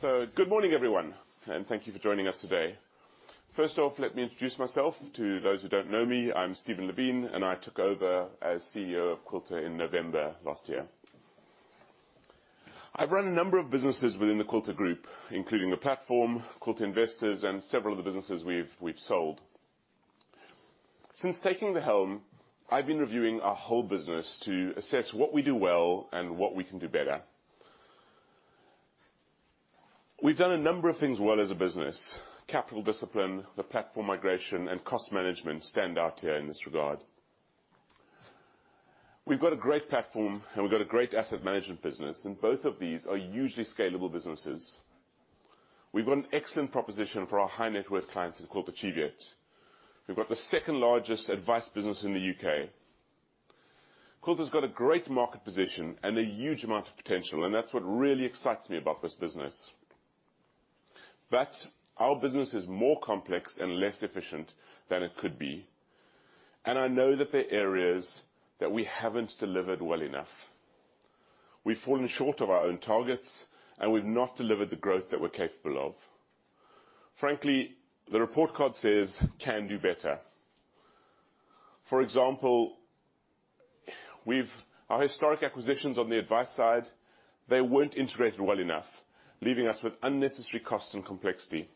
Good morning, everyone, and thank you for joining us today. First off, let me introduce myself to those who don't know me. I'm Steven Levin, and I took over as CEO of Quilter in November last year. I've run a number of businesses within the Quilter Group, including the platform, Quilter Investors, and several of the businesses we've sold. Since taking the helm, I've been reviewing our whole business to assess what we do well and what we can do better. We've done a number of things well as a business. Capital discipline, the platform migration, and cost management stand out here in this regard. We've got a great platform, and we've got a great asset management business, and both of these are usually scalable businesses. We've got an excellent proposition for our high-net-worth clients in Quilter Cheviot. We've got the second-largest advice business in the U.K. Quilter's got a great market position and a huge amount of potential, and that's what really excites me about this business. Our business is more complex and less efficient than it could be, and I know that there are areas that we haven't delivered well enough. We've fallen short of our own targets, and we've not delivered the growth that we're capable of. Frankly, the report card says, "Can do better." For example, we've Our historic acquisitions on the advice side, they weren't integrated well enough, leaving us with unnecessary cost and complexity.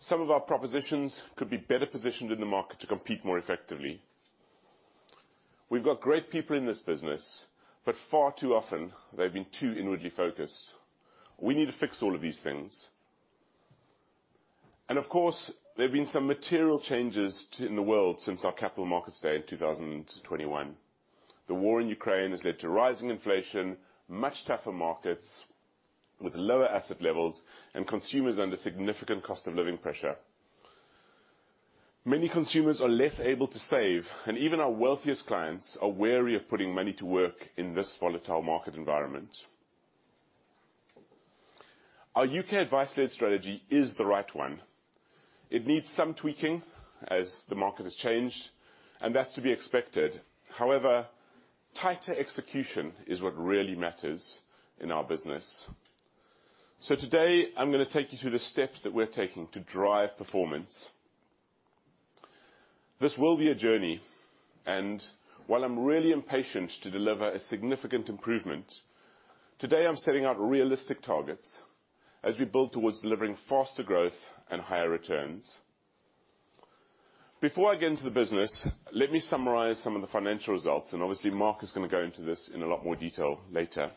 Some of our propositions could be better positioned in the market to compete more effectively. We've got great people in this business, but far too often, they've been too inwardly focused. We need to fix all of these things. Of course, there have been some material changes to, in the world since our Capital Markets Day in 2021. The war in Ukraine has led to rising inflation, much tougher markets with lower asset levels and consumers under significant cost of living pressure. Many consumers are less able to save, and even our wealthiest clients are wary of putting money to work in this volatile market environment. Our U.K. advice-led strategy is the right one. It needs some tweaking as the market has changed, and that's to be expected. However, tighter execution is what really matters in our business. Today I'm gonna take you through the steps that we're taking to drive performance. This will be a journey, and while I'm really impatient to deliver a significant improvement, today I'm setting out realistic targets as we build towards delivering faster growth and higher returns. Before I get into the business, let me summarize some of the financial results, and obviously Mark is gonna go into this in a lot more detail later.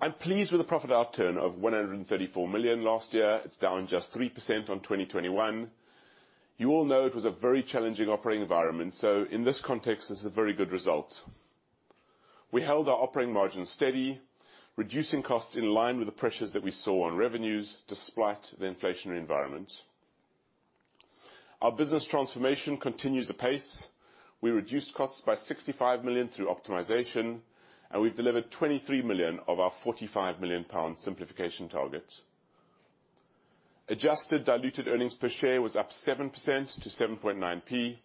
I'm pleased with the profit upturn of 134 million last year. It's down just 3% on 2021. You all know it was a very challenging operating environment, so in this context, this is a very good result. We held our operating margin steady, reducing costs in line with the pressures that we saw on revenues despite the inflationary environment. Our business transformation continues apace. We reduced costs by 65 million through optimization, and we've delivered 23 million of our 45 million pound simplification target. Adjusted diluted earnings per share was up 7% to 7.9p,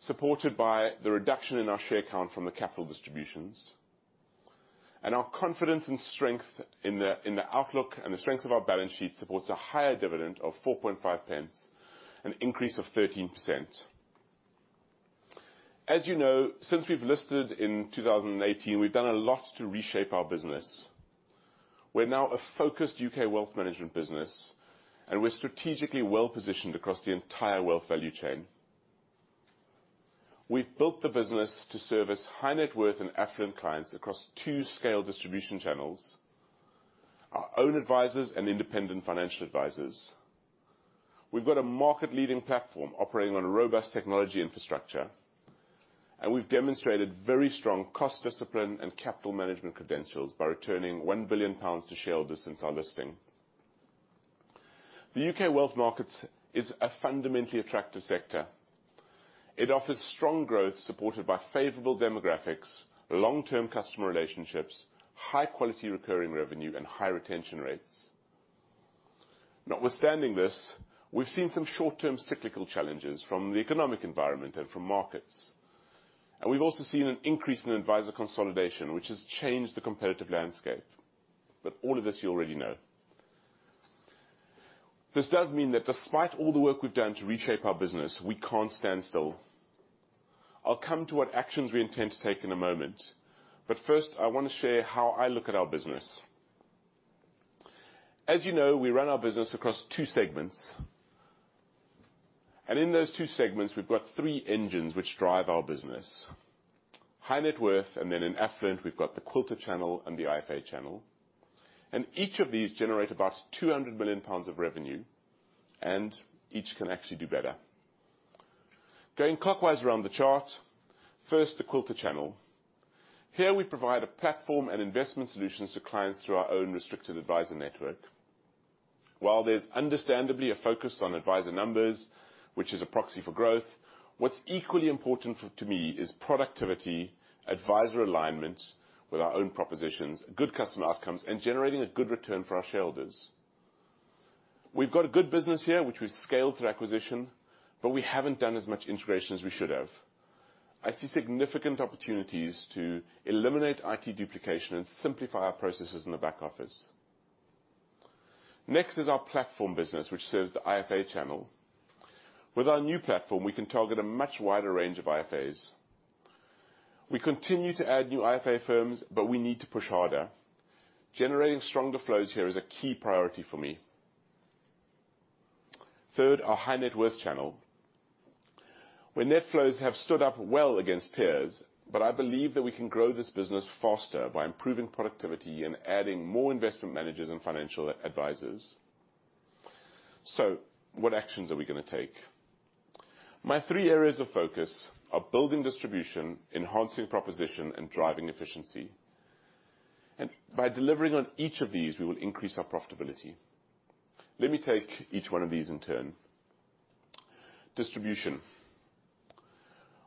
supported by the reduction in our share count from the capital distributions. Our confidence and strength in the, in the outlook and the strength of our balance sheet supports a higher dividend of 4.5 pence, an increase of 13%. As you know, since we've listed in 2018, we've done a lot to reshape our business. We're now a focused U.K. wealth management business, and we're strategically well positioned across the entire wealth value chain. We've built the business to service high-net worth and affluent clients across two scale distribution channels, our own advisers and independent financial advisers. We've got a market-leading platform operating on a robust technology infrastructure, and we've demonstrated very strong cost discipline and capital management credentials by returning 1 billion pounds to shareholders since our listing. The U.K. wealth markets is a fundamentally attractive sector. It offers strong growth supported by favorable demographics, long-term customer relationships, high-quality recurring revenue, and high retention rates. Notwithstanding this, we've seen some short-term cyclical challenges from the economic environment and from markets. We've also seen an increase in advisor consolidation, which has changed the competitive landscape. All of this you already know. This does mean that despite all the work we've done to reshape our business, we can't stand still. I'll come to what actions we intend to take in a moment, but first, I wanna share how I look at our business. As you know, we run our business across two segments. In those two segments, we've got three engines which drive our business, high net worth, and then in affluent, we've got the Quilter channel and the IFA channel. Each of these generate about 200 million pounds of revenue, and each can actually do better. Going clockwise around the chart, first, the Quilter channel. Here we provide a platform and investment solutions to clients through our own restricted advisor network. While there's understandably a focus on advisor numbers, which is a proxy for growth, what's equally important to me is productivity, advisor alignment with our own propositions, good customer outcomes, and generating a good return for our shareholders. We've got a good business here, which we've scaled through acquisition, but we haven't done as much integration as we should have. I see significant opportunities to eliminate IT duplication and simplify our processes in the back office. Next is our platform business, which serves the IFA channel. With our new platform, we can target a much wider range of IFAs. We continue to add new IFA firms, but we need to push harder. Generating stronger flows here is a key priority for me. Third, our high net worth channel, where net flows have stood up well against peers, but I believe that we can grow this business faster by improving productivity and adding more investment managers and financial advisors. What actions are we gonna take? My three areas of focus are building distribution, enhancing proposition, and driving efficiency. By delivering on each of these, we will increase our profitability. Let me take each one of these in turn. Distribution.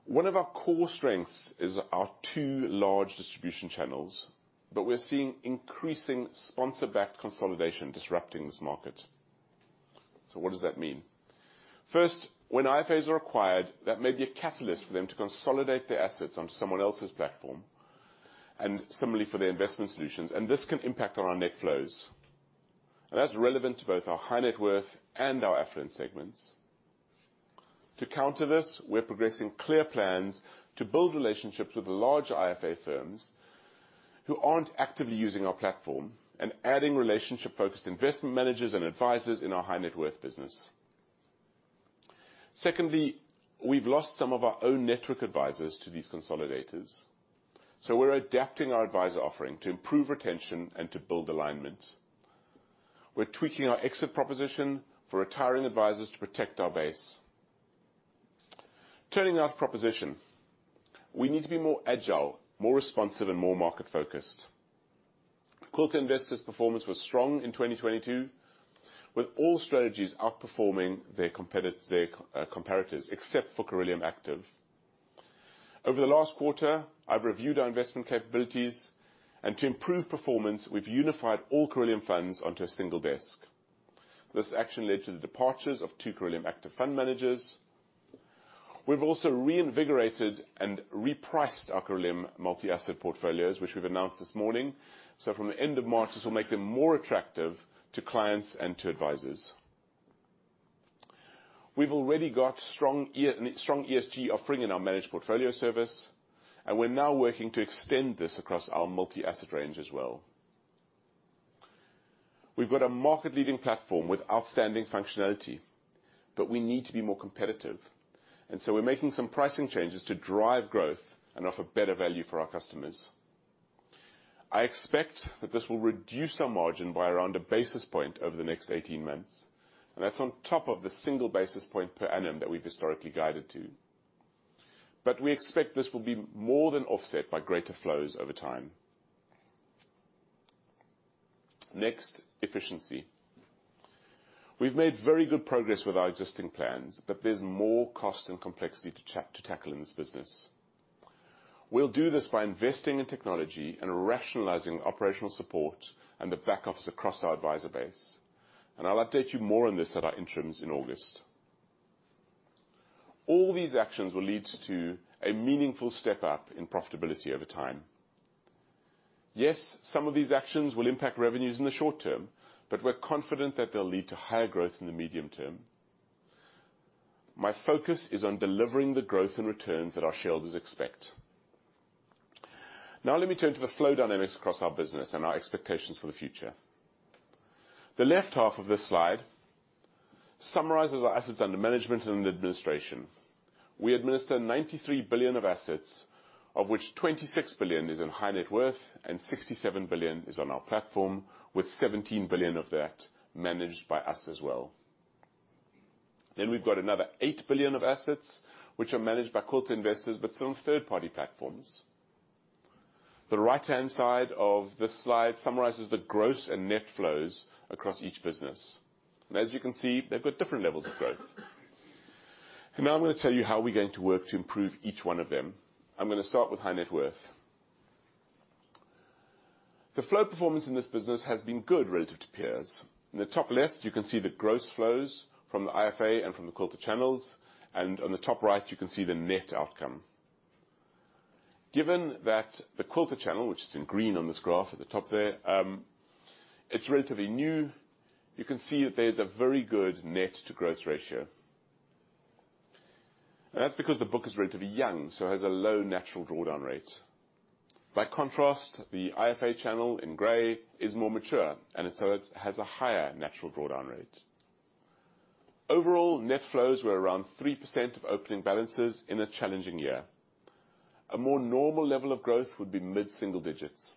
One of our core strengths is our two large distribution channels, but we're seeing increasing sponsor-backed consolidation disrupting this market. What does that mean? First, when IFAs are acquired, that may be a catalyst for them to consolidate their assets onto someone else's platform and similarly for their investment solutions, and this can impact on our net flows. That's relevant to both our high net worth and our affluent segments. To counter this, we're progressing clear plans to build relationships with the large IFA firms who aren't actively using our platform and adding relationship-focused investment managers and advisors in our high net worth business. Secondly, we've lost some of our own network advisors to these consolidators, so we're adapting our advisor offering to improve retention and to build alignment. We're tweaking our exit proposition for retiring advisors to protect our base. Turning to our proposition. We need to be more agile, more responsive, and more market-focused. Quilter Investors' performance was strong in 2022, with all strategies outperforming their comparators, except for Cirilium Active. Over the last quarter, I've reviewed our investment capabilities, and to improve performance, we've unified all Cirilium funds onto a single desk. This action led to the departures of two Cirilium active fund managers. We've also reinvigorated and repriced our Cirilium multi-asset portfolios, which we've announced this morning. From the end of March, this will make them more attractive to clients and to advisors. We've already got strong ESG offering in our managed portfolio service, and we're now working to extend this across our multi-asset range as well. We've got a market-leading platform with outstanding functionality, but we need to be more competitive, and so we're making some pricing changes to drive growth and offer better value for our customers. I expect that this will reduce our margin by around a basis point over the next 18 months, and that's on top of the single basis point per annum that we've historically guided to. We expect this will be more than offset by greater flows over time. Next, efficiency. We've made very good progress with our existing plans, but there's more cost and complexity to tackle in this business. We'll do this by investing in technology and rationalizing operational support and the back office across our advisor base, and I'll update you more on this at our interims in August. All these actions will lead to a meaningful step-up in profitability over time. Yes, some of these actions will impact revenues in the short-term, but we're confident that they'll lead to higher growth in the medium-term. My focus is on delivering the growth and returns that our shareholders expect. Let me turn to the flow dynamics across our business and our expectations for the future. The left half of this slide summarizes our assets under management and under administration. We administer 93 billion of assets, of which 26 billion is in high net worth and 67 billion is on our Platform, with 17 billion of that managed by us as well. We've got another 8 billion of assets which are managed by Quilter Investors but sit on third-party platforms. The right-hand side of this slide summarizes the gross and net flows across each business. As you can see, they've got different levels of growth. Now I'm gonna tell you how we're going to work to improve each one of them. I'm gonna start with high net worth. The flow performance in this business has been good relative to peers. In the top left, you can see the gross flows from the IFA and from the Quilter channels, and on the top right, you can see the net outcome. Given that the Quilter channel, which is in green on this graph at the top there, it's relatively new. You can see that there's a very good net to gross ratio. That's because the book is relatively young, so it has a low natural drawdown rate. By contrast, the IFA channel in gray is more mature, so it has a higher natural drawdown rate. Overall, net flows were around 3% of opening balances in a challenging year. A more normal level of growth would be mid-single digits.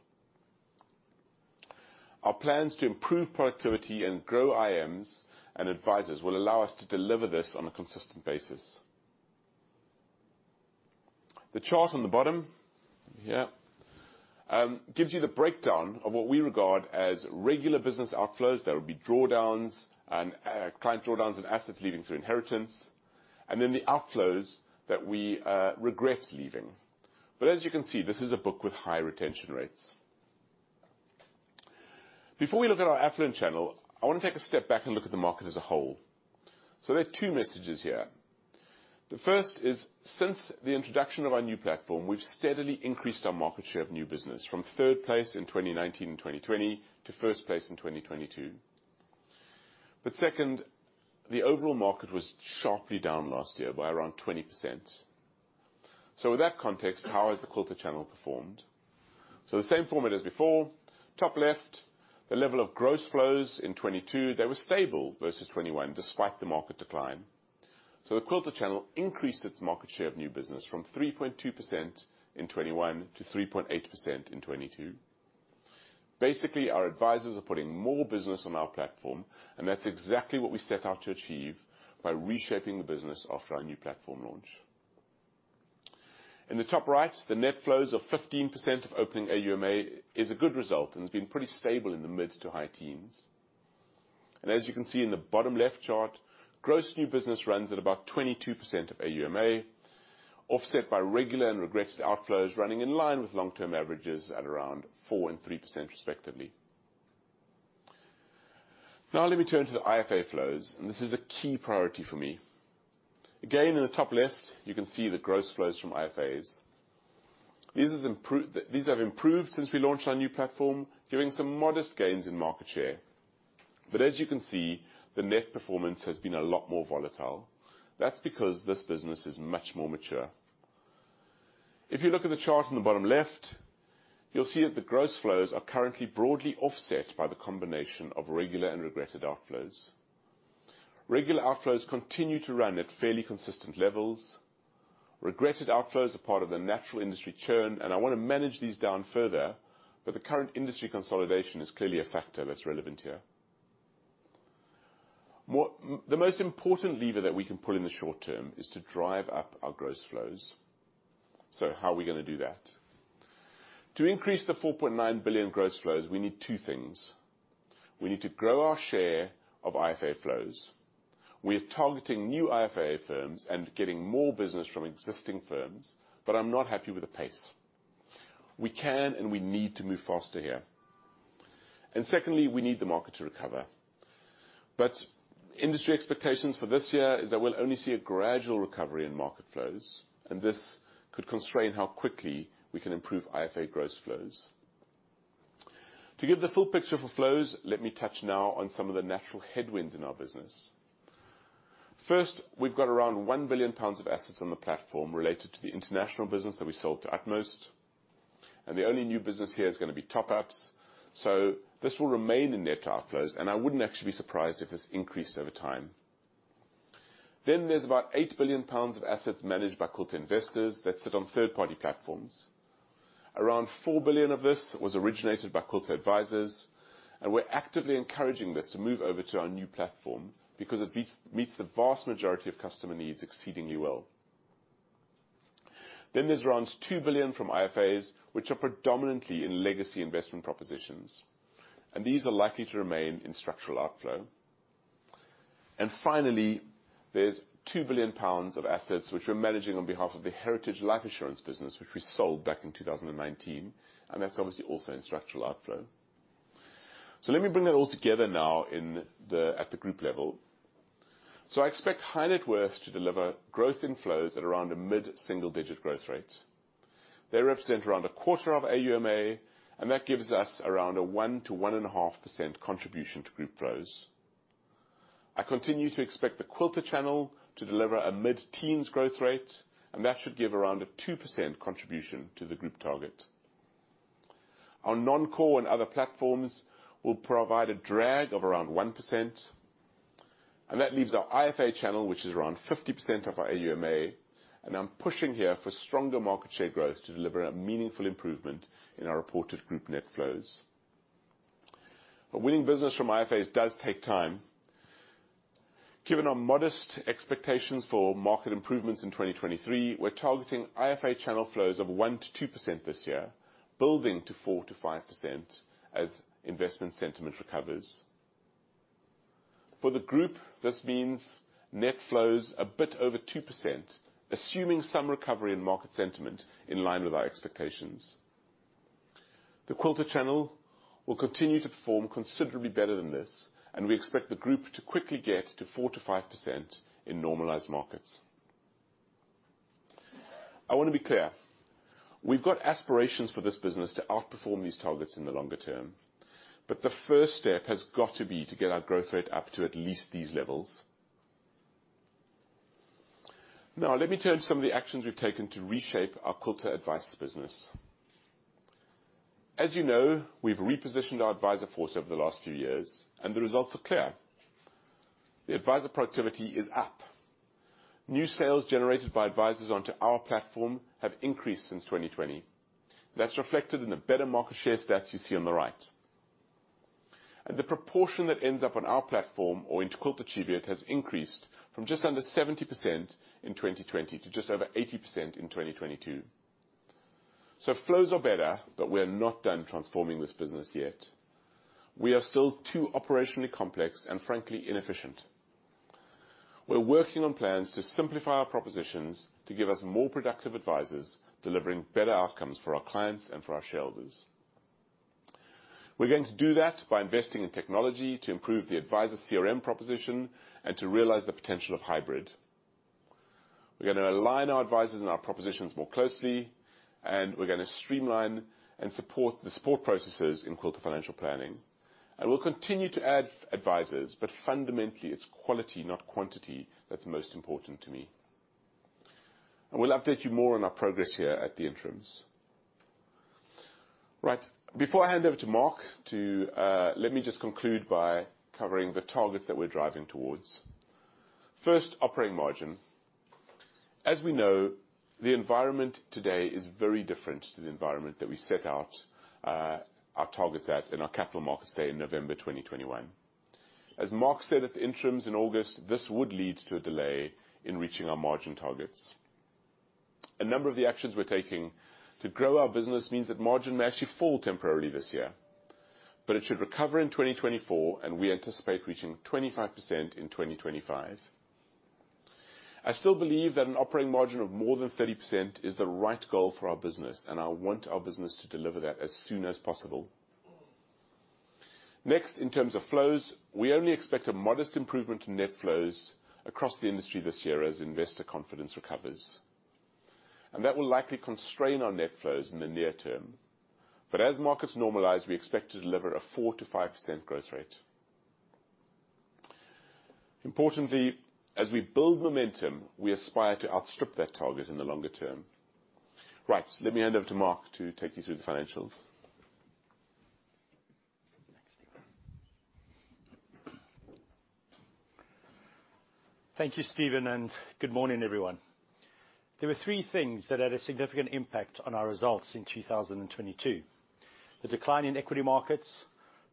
Our plans to improve productivity and grow IMs and advisors will allow us to deliver this on a consistent basis. The chart on the bottom, here, gives you the breakdown of what we regard as regular business outflows. There would be drawdowns and client drawdowns and assets leaving through inheritance, and then the outflows that we regret leaving. As you can see, this is a book with high retention rates. Before we look at our affluent channel, I wanna take a step back and look at the market as a whole. There are two messages here. The first is, since the introduction of our new platform, we've steadily increased our market share of new business from third place in 2019 and 2020 to first place in 2022. Second, the overall market was sharply down last year by around 20%. With that context, how has the Quilter channel performed? The same format as before. Top left, the level of gross flows in 2022, they were stable versus 2021 despite the market decline. The Quilter channel increased its market share of new business from 3.2% in 2021 to 3.8% in 2022. Basically, our advisors are putting more business on our platform, and that's exactly what we set out to achieve by reshaping the business after our new platform launch. In the top right, the net flows of 15% of opening AUMA is a good result and has been pretty stable in the mid to high teens. As you can see in the bottom left chart, gross new business runs at about 22% of AUMA, offset by regular and regretted outflows running in line with long-term averages at around 4% and 3% respectively. Let me turn to the IFA flows, and this is a key priority for me. In the top left, you can see the gross flows from IFAs. These have improved since we launched our new platform, giving some modest gains in market share. As you can see, the net performance has been a lot more volatile. That's because this business is much more mature. If you look at the chart on the bottom left, you'll see that the gross flows are currently broadly offset by the combination of regular and regretted outflows. Regular outflows continue to run at fairly consistent levels. Regretted outflows are part of the natural industry churn, and I wanna manage these down further, but the current industry consolidation is clearly a factor that's relevant here. The most important lever that we can pull in the short-term is to drive up our gross flows. How are we gonna do that? To increase the 4.9 billion gross flows, we need two things. We need to grow our share of IFA flows. We're targeting new IFA firms and getting more business from existing firms, but I'm not happy with the pace. We can and we need to move faster here. Secondly, we need the market to recover. Industry expectations for this year is that we'll only see a gradual recovery in market flows, and this could constrain how quickly we can improve IFA gross flows. To give the full picture for flows, let me touch now on some of the natural headwinds in our business. First, we've got around 1 billion pounds of assets on the platform related to the international business that we sold to Utmost. The only new business here is gonna be top-ups. This will remain in net outflows. I wouldn't actually be surprised if this increased over time. There's about 8 billion pounds of assets managed by Quilter Investors that sit on third-party platforms. Around 4 billion of this was originated by Quilter advisors, and we're actively encouraging this to move over to our new platform because it meets the vast majority of customer needs exceeding UL. There's around 2 billion from IFAs, which are predominantly in legacy investment propositions. These are likely to remain in structural outflow. Finally, there's 2 billion pounds of assets which we're managing on behalf of the Heritage Life Assurance business, which we sold back in 2019, and that's obviously also in structural outflow. Let me bring it all together now at the group level. I expect high net worth to deliver growth in flows at around a mid-single digit growth rate. They represent around a quarter of AUMA, and that gives us around a 1%-1.5% contribution to group flows. I continue to expect the Quilter channel to deliver a mid-teens growth rate, and that should give around a 2% contribution to the group target. Our non-core and other platforms will provide a drag of around 1%. That leaves our IFA channel, which is around 50% of our AUMA. I'm pushing here for stronger market share growth to deliver a meaningful improvement in our reported group net flows. Winning business from IFAs does take time. Given our modest expectations for market improvements in 2023, we're targeting IFA channel flows of 1%-2% this year, building to 4%-5% as investment sentiment recovers. For the group, this means net flows a bit over 2%, assuming some recovery in market sentiment in line with our expectations. The Quilter channel will continue to perform considerably better than this. We expect the group to quickly get to 4%-5% in normalized markets. I wanna be clear. We've got aspirations for this business to outperform these targets in the longer-term, but the first step has got to be to get our growth rate up to at least these levels. Let me turn to some of the actions we've taken to reshape our Quilter Advice business. As you know, we've repositioned our advisor force over the last few years, and the results are clear. The advisor productivity is up. New sales generated by advisors onto our platform have increased since 2020. That's reflected in the better market share stats you see on the right. The proportion that ends up on our platform or into Quilter Cheviot has increased from just under 70% in 2020 to just over 80% in 2022. Flows are better, but we're not done transforming this business yet. We are still too operationally complex and, frankly, inefficient. We're working on plans to simplify our propositions to give us more productive advisors, delivering better outcomes for our clients and for our shareholders. We're going to do that by investing in technology to improve the advisor CRM proposition and to realize the potential of hybrid. We're gonna align our advisors and our propositions more closely, and we're gonna streamline and support the support processes in Quilter Financial Planning. We'll continue to add advisors, but fundamentally, it's quality, not quantity, that's most important to me. We'll update you more on our progress here at the interims. Right. Before I hand over to Mark to let me just conclude by covering the targets that we're driving towards. First, operating margin. As we know, the environment today is very different to the environment that we set out, our targets at in our Capital Markets Day in November 2021. As Mark said at the interims in August, this would lead to a delay in reaching our margin targets. A number of the actions we're taking to grow our business means that margin may actually fall temporarily this year, but it should recover in 2024, and we anticipate reaching 25% in 2025. I still believe that an operating margin of more than 30% is the right goal for our business, and I want our business to deliver that as soon as possible. Next, in terms of flows, we only expect a modest improvement in net flows across the industry this year as investor confidence recovers. That will likely constrain our net flows in the near-term. As markets normalize, we expect to deliver a 4%-5% growth rate. Importantly, as we build momentum, we aspire to outstrip that target in the longer term. Right. Let me hand over to Mark to take you through the financials. Thank you, Steven. Good morning, everyone. There were three things that had a significant impact on our results in 2022. The decline in equity markets,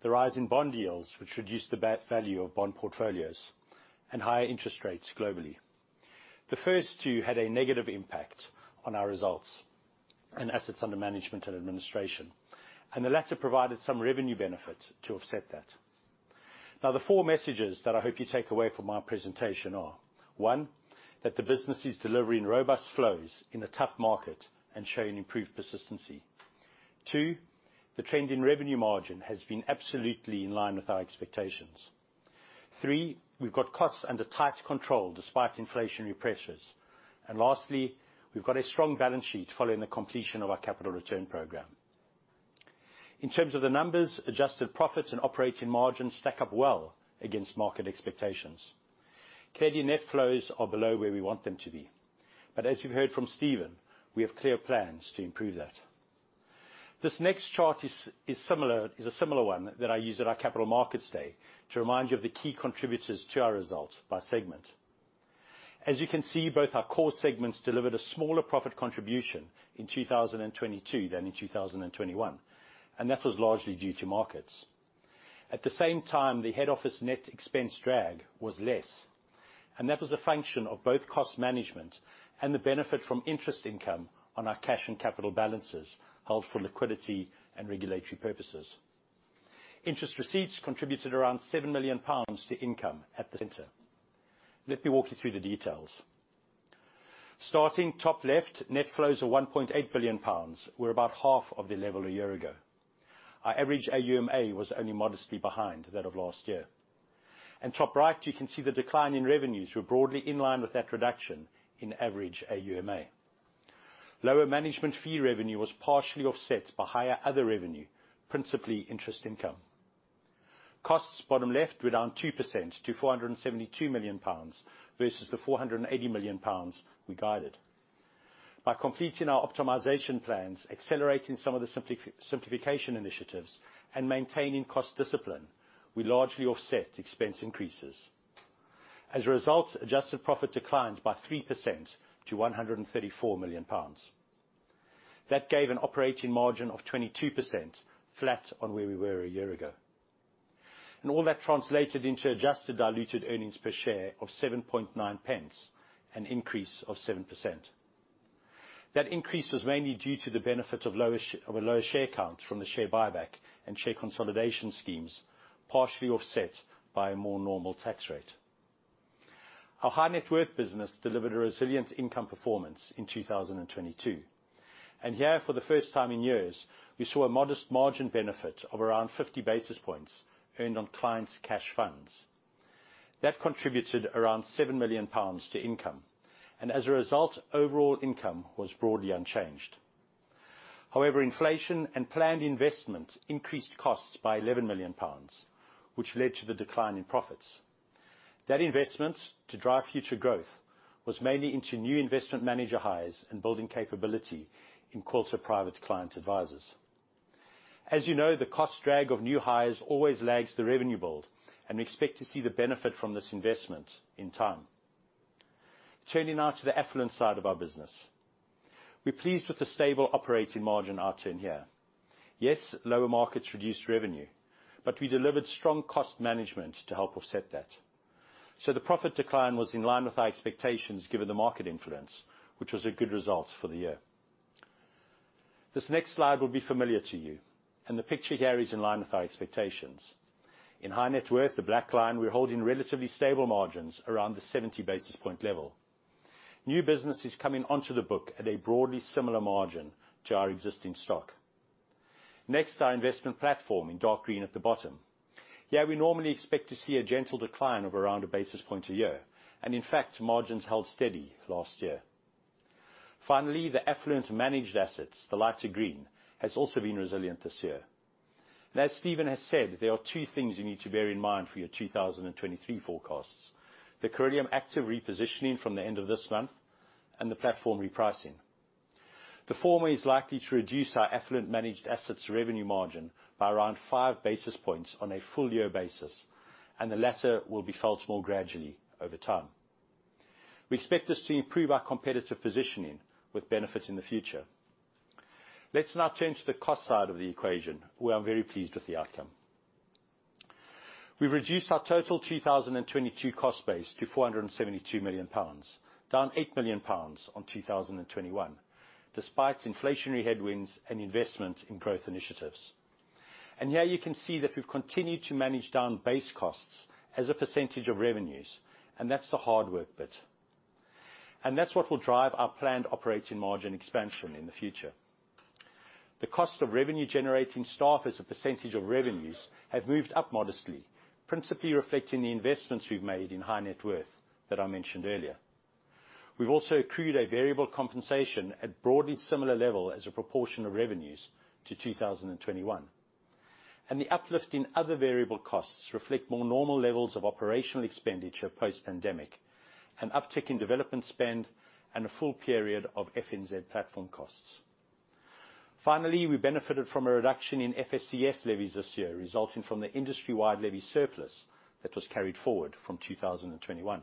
the rise in bond yields, which reduced the value of bond portfolios, and higher interest rates globally. The first two had a negative impact on our results and assets under management and administration, and the latter provided some revenue benefit to offset that. Now, the four messages that I hope you take away from my presentation are, one, that the business is delivering robust flows in a tough market and showing improved persistency. Two, the trend in revenue margin has been absolutely in line with our expectations. Three, we've got costs under tight control despite inflationary pressures. Lastly, we've got a strong balance sheet following the completion of our capital return program. In terms of the numbers, adjusted profits and operating margins stack up well against market expectations. Clearly, net flows are below where we want them to be. As you've heard from Steven, we have clear plans to improve that. This next chart is a similar one that I used at our Capital Markets Day to remind you of the key contributors to our results by segment. As you can see, both our core segments delivered a smaller profit contribution in 2022 than in 2021, and that was largely due to markets. At the same time, the head office net expense drag was less, and that was a function of both cost management and the benefit from interest income on our cash and capital balances held for liquidity and regulatory purposes. Interest receipts contributed around 7 million pounds to income at the center. Let me walk you through the details. Starting top left, net flows of 1.8 billion pounds were about half of the level a year ago. Our average AUMA was only modestly behind that of last year. Top right, you can see the decline in revenues were broadly in line with that reduction in average AUMA. Lower management fee revenue was partially offset by higher other revenue, principally interest income. Costs, bottom left, were down 2% to 472 million pounds versus the 480 million pounds we guided. By completing our optimization plans, accelerating some of the simplification initiatives, and maintaining cost discipline, we largely offset expense increases. As a result, adjusted profit declined by 3% to 134 million pounds. That gave an operating margin of 22%, flat on where we were a year ago. All that translated into adjusted diluted earnings per share of 0.079, an increase of 7%. That increase was mainly due to the benefit of a lower share count from the share buyback and share consolidation schemes, partially offset by a more normal tax rate. Our high net worth business delivered a resilient income performance in 2022. Here, for the first time in years, we saw a modest margin benefit of around 50 basis points earned on clients' cash funds. That contributed around 7 million pounds to income, and as a result, overall income was broadly unchanged. However, inflation and planned investment increased costs by 11 million pounds, which led to the decline in profits. That investment to drive future growth was mainly into new investment manager hires and building capability in Quilter Private Client Advisers. As you know, the cost drag of new hires always lags the revenue build. We expect to see the benefit from this investment in time. Turning now to the affluent side of our business. We're pleased with the stable operating margin outturn here. Yes, lower markets reduced revenue. We delivered strong cost management to help offset that. The profit decline was in line with our expectations given the market influence, which was a good result for the year. This next slide will be familiar to you. The picture here is in line with our expectations. In high net worth, the black line, we're holding relatively stable margins around the 70 basis point level. New business is coming onto the book at a broadly similar margin to our existing stock. Next, our investment platform in dark green at the bottom. Here we normally expect to see a gentle decline of around a basis point a year, and in fact, margins held steady last year. Finally, the affluent managed assets, the lighter green, has also been resilient this year. As Steven has said, there are two things you need to bear in mind for your 2023 forecasts: the Cirilium Active repositioning from the end of this month and the platform repricing. The former is likely to reduce our affluent managed assets revenue margin by around five basis points on a full year basis, and the latter will be felt more gradually over time. We expect this to improve our competitive positioning with benefit in the future. Let's now turn to the cost side of the equation, where I'm very pleased with the outcome. We've reduced our total 2022 cost base to 472 million pounds, down 8 million pounds on 2021, despite inflationary headwinds and investments in growth initiatives. Here you can see that we've continued to manage down base costs as a percentage of revenues. That's the hard work bit. That's what will drive our planned operating margin expansion in the future. The cost of revenue-generating staff as a percentage of revenues have moved up modestly, principally reflecting the investments we've made in high net worth that I mentioned earlier. We've also accrued a variable compensation at broadly similar level as a proportion of revenues to 2021. The uplift in other variable costs reflect more normal levels of operational expenditure post-pandemic, an uptick in development spend, and a full period of FNZ platform costs. Finally, we benefited from a reduction in FSCS levies this year, resulting from the industry-wide levy surplus that was carried forward from 2021.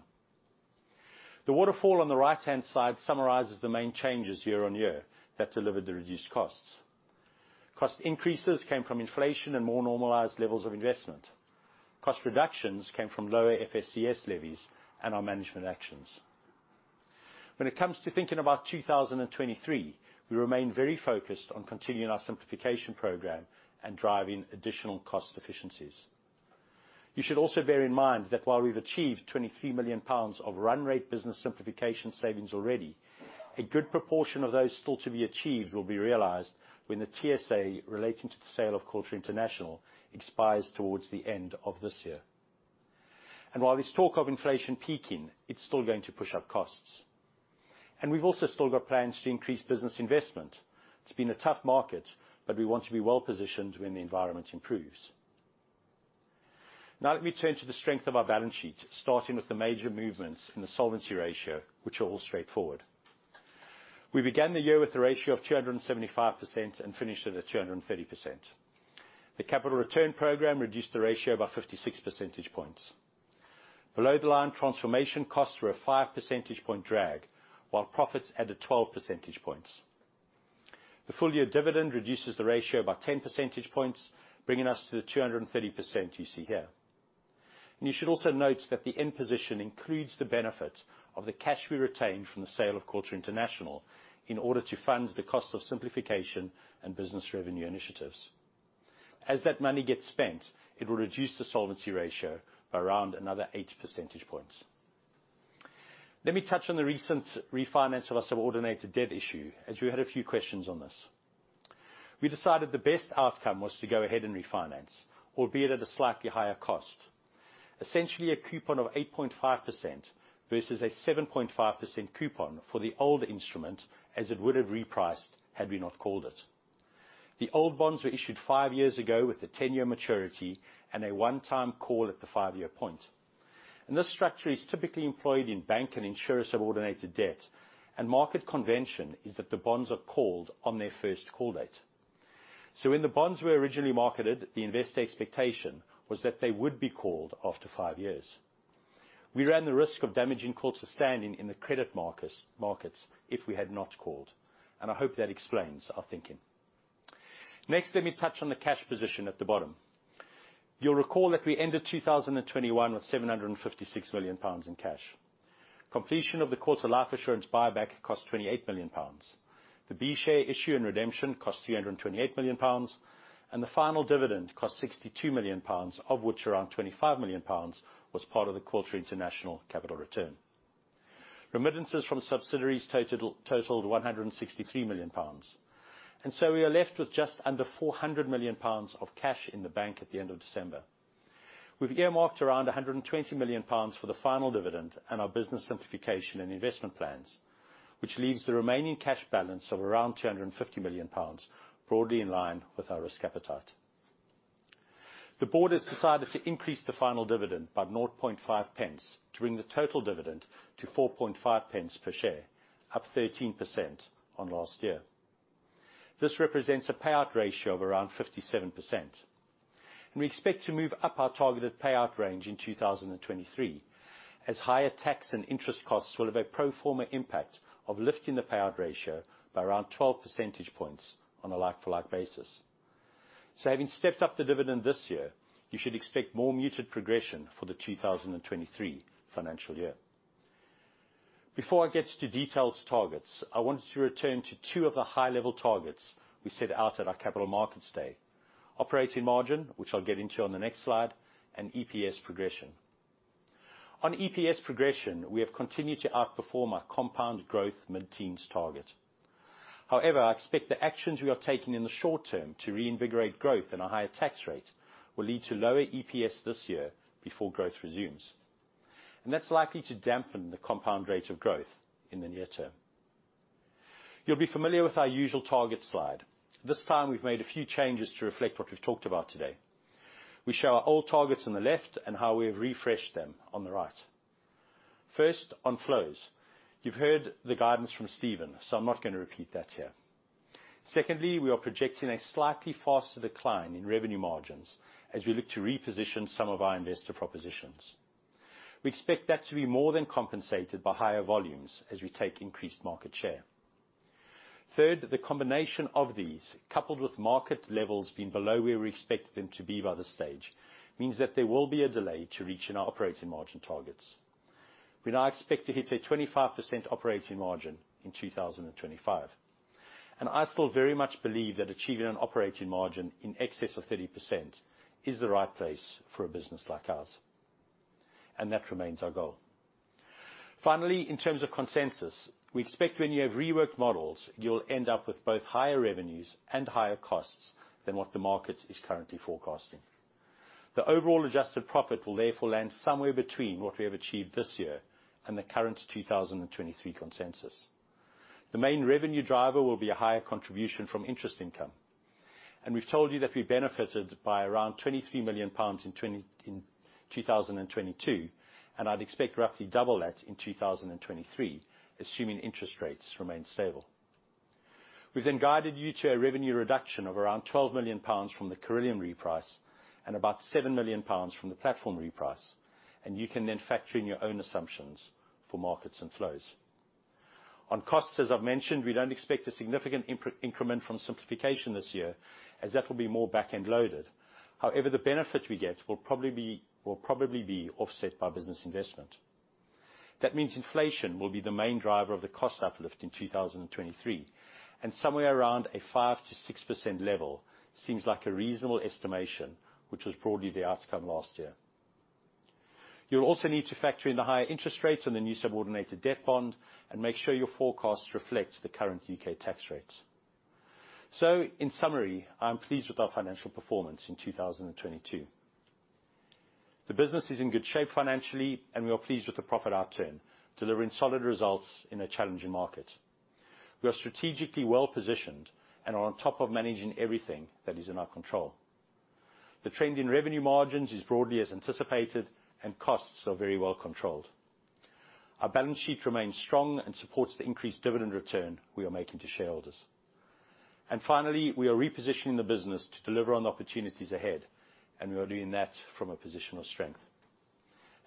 The waterfall on the right-hand side summarizes the main changes year-on-year that delivered the reduced costs. Cost increases came from inflation and more normalized levels of investment. Cost reductions came from lower FSCS levies and our management actions. When it comes to thinking about 2023, we remain very focused on continuing our simplification program and driving additional cost efficiencies. You should also bear in mind that while we've achieved 23 million pounds of run rate business simplification savings already, a good proportion of those still to be achieved will be realized when the TSA relating to the sale of Quilter International expires towards the end of this year. While there's talk of inflation peaking, it's still going to push up costs. We've also still got plans to increase business investment. It's been a tough market, but we want to be well-positioned when the environment improves. Now let me turn to the strength of our balance sheet, starting with the major movements in the solvency ratio, which are all straightforward. We began the year with a ratio of 275% and finished at a 230%. The capital return program reduced the ratio by 56 percentage points. Below the line transformation costs were a five percentage point drag, while profits added 12 percentage points. The full year dividend reduces the ratio by ten percentage points, bringing us to the 230% you see here. You should also note that the end position includes the benefit of the cash we retained from the sale of Quilter International in order to fund the cost of simplification and business revenue initiatives. As that money gets spent, it will reduce the solvency ratio by around another eight percentage points. Let me touch on the recent refinance of our subordinated debt issue, as we had a few questions on this. We decided the best outcome was to go ahead and refinance, albeit at a slightly higher cost. A coupon of 8.5% versus a 7.5% coupon for the old instrument, as it would have repriced had we not called it. The old bonds were issued five years ago with a ten-year maturity and a one-time call at the five-year point. This structure is typically employed in bank and insurer subordinated debt, and market convention is that the bonds are called on their first call date. When the bonds were originally marketed, the investor expectation was that they would be called after five years. We ran the risk of damaging Quilter's standing in the credit markets if we had not called, I hope that explains our thinking. Next, let me touch on the cash position at the bottom. You'll recall that we ended 2021 with 756 million pounds in cash. Completion of the Quilter Life Assurance buyback cost 28 million pounds. The B Share issue and redemption cost 328 million pounds, and the final dividend cost 62 million pounds, of which around 25 million pounds was part of the Quilter International capital return. Remittances from subsidiaries totaled 163 million pounds. We are left with just under 400 million pounds of cash in the bank at the end of December. We've earmarked around 120 million pounds for the final dividend and our business simplification and investment plans, which leaves the remaining cash balance of around 250 million pounds, broadly in line with our risk appetite. The board has decided to increase the final dividend by 0.5 pence to bring the total dividend to 4.5 pence per share, up 13% on last year. This represents a payout ratio of around 57%. We expect to move up our targeted payout range in 2023, as higher tax and interest costs will have a pro forma impact of lifting the payout ratio by around 12 percentage points on a like-for-like basis. Having stepped up the dividend this year, you should expect more muted progression for the 2023 financial year. Before I get to detailed targets, I wanted to return to two of the high level targets we set out at our Capital Markets Day. Operating margin, which I'll get into on the next slide, and EPS progression. On EPS progression, we have continued to outperform our compound growth mid-teens target. I expect the actions we are taking in the short-term to reinvigorate growth and a higher tax rate will lead to lower EPS this year before growth resumes. That's likely to dampen the compound rate of growth in the near-term. You'll be familiar with our usual target slide. This time we've made a few changes to reflect what we've talked about today. We show our old targets on the left and how we've refreshed them on the right. On flows. You've heard the guidance from Steven. I'm not gonna repeat that here. We are projecting a slightly faster decline in revenue margins as we look to reposition some of our investor propositions. We expect that to be more than compensated by higher volumes as we take increased market share. Third, the combination of these, coupled with market levels being below where we expected them to be by this stage, means that there will be a delay to reaching our operating margin targets. We now expect to hit a 25% operating margin in 2025. I still very much believe that achieving an operating margin in excess of 30% is the right place for a business like ours, and that remains our goal. Finally, in terms of consensus, we expect when you have reworked models, you'll end up with both higher revenues and higher costs than what the market is currently forecasting. The overall adjusted profit will therefore land somewhere between what we have achieved this year and the current 2023 consensus. The main revenue driver will be a higher contribution from interest income. We've told you that we benefited by around 23 million pounds in 2022, and I'd expect roughly double that in 2023, assuming interest rates remain stable. We've then guided you to a revenue reduction of around 12 million pounds from the Cirilium reprice and about 7 million pounds from the platform reprice, and you can then factor in your own assumptions for markets and flows. On costs, as I've mentioned, we don't expect a significant increment from simplification this year, as that will be more back-end loaded. The benefit we get will probably be offset by business investment. That means inflation will be the main driver of the cost uplift in 2023, and somewhere around a 5%-6% level seems like a reasonable estimation, which was broadly the outcome last year. You'll also need to factor in the higher interest rates on the new subordinated debt bond and make sure your forecast reflects the current U.K. tax rates. In summary, I am pleased with our financial performance in 2022. The business is in good shape financially, and we are pleased with the profit upturn, delivering solid results in a challenging market. We are strategically well-positioned and are on top of managing everything that is in our control. The trend in revenue margins is broadly as anticipated, and costs are very well controlled. Our balance sheet remains strong and supports the increased dividend return we are making to shareholders. Finally, we are repositioning the business to deliver on the opportunities ahead, and we are doing that from a position of strength.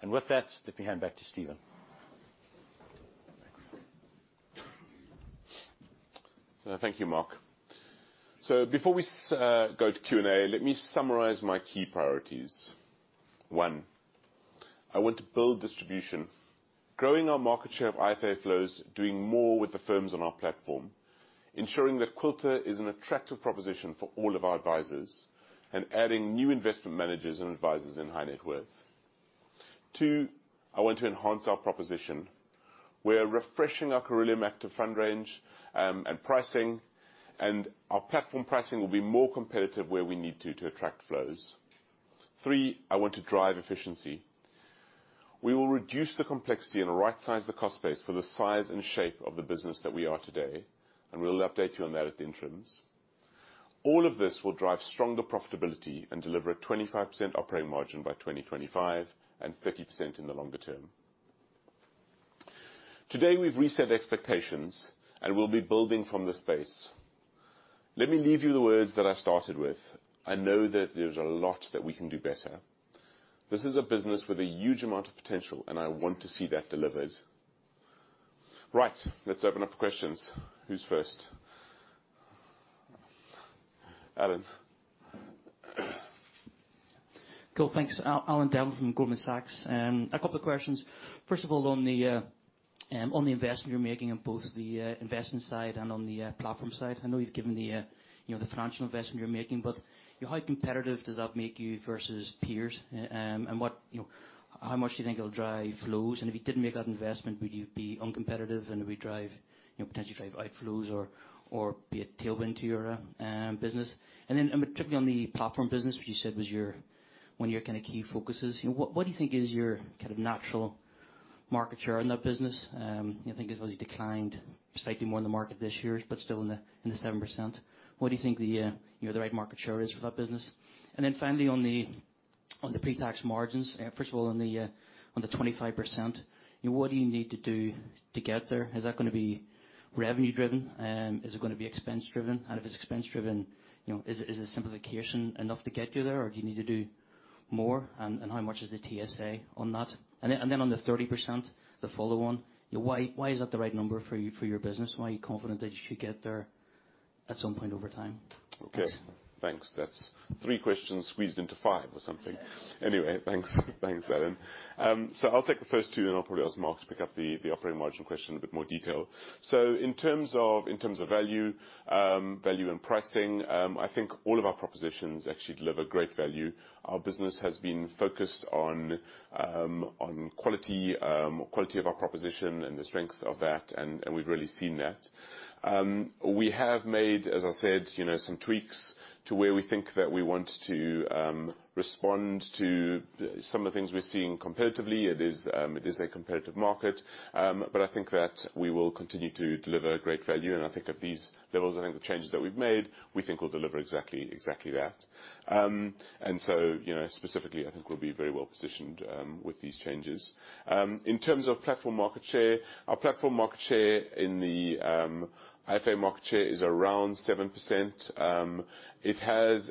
With that, let me hand back to Steven. Thank you, Mark. Before we go to Q&A, let me summarize my key priorities. One, I want to build distribution, growing our market share of IFA flows, doing more with the firms on our platform, ensuring that Quilter is an attractive proposition for all of our advisors, and adding new investment managers and advisors in high net worth. Two, I want to enhance our proposition. We're refreshing our Cirilium Active fund range, and pricing, and our platform pricing will be more competitive where we need to to attract flows. Three, I want to drive efficiency. We will reduce the complexity and rightsize the cost base for the size and shape of the business that we are today, and we'll update you on that at the interims. All of this will drive stronger profitability and deliver a 25% operating margin by 2025 and 30% in the longer term. Today, we've reset expectations, and we'll be building from this base. Let me leave you the words that I started with. I know that there's a lot that we can do better. This is a business with a huge amount of potential, and I want to see that delivered. Right. Let's open up for questions. Who's first? Alan. Cool. Thanks. Alan Devlin from Goldman Sachs. A couple of questions. First of all, on the investment you're making on both the investment side and on the platform side. I know you've given the, you know, the financial investment you're making, but, you know, how competitive does that make you versus peers? What, you know, how much do you think it'll drive flows? If you didn't make that investment, would you be uncompetitive and it would drive, you know, potentially drive outflows or be a tailwind to your business? Then, particularly on the platform business, which you said was your, one of your kind of key focuses, you know, what do you think is your kind of natural market share in that business? I think it's probably declined slightly more in the market this year, but still in the 7%. What do you think the, you know, the right market share is for that business? Finally, on the, on the pre-tax margins, first of all, on the 25%, you know, what do you need to do to get there? Is that gonna be revenue driven? Is it gonna be expense driven? If it's expense driven, you know, is the simplification enough to get you there, or do you need to do more? How much is the TSA on that? Then on the 30%, the follow-on, you know, why is that the right number for your, for your business? Why are you confident that you should get there? At some point over time. Okay. Thanks. That's three questions squeezed into five or something. Anyway, thanks. Thanks, Alan. I'll take the first two, and I'll probably ask Mark to pick up the operating margin question in a bit more detail. In terms of value, and pricing, I think all of our propositions actually deliver great value. Our business has been focused on quality of our proposition and the strength of that, and we've really seen that. We have made, as I said, you know, some tweaks to where we think that we want to respond to some of the things we're seeing competitively. It is a competitive market. I think that we will continue to deliver great value. I think at these levels, I think the changes that we've made, we think will deliver exactly that. So, you know, specifically, I think we'll be very well positioned with these changes. In terms of platform market share, our platform market share in the IFA market share is around 7%. It has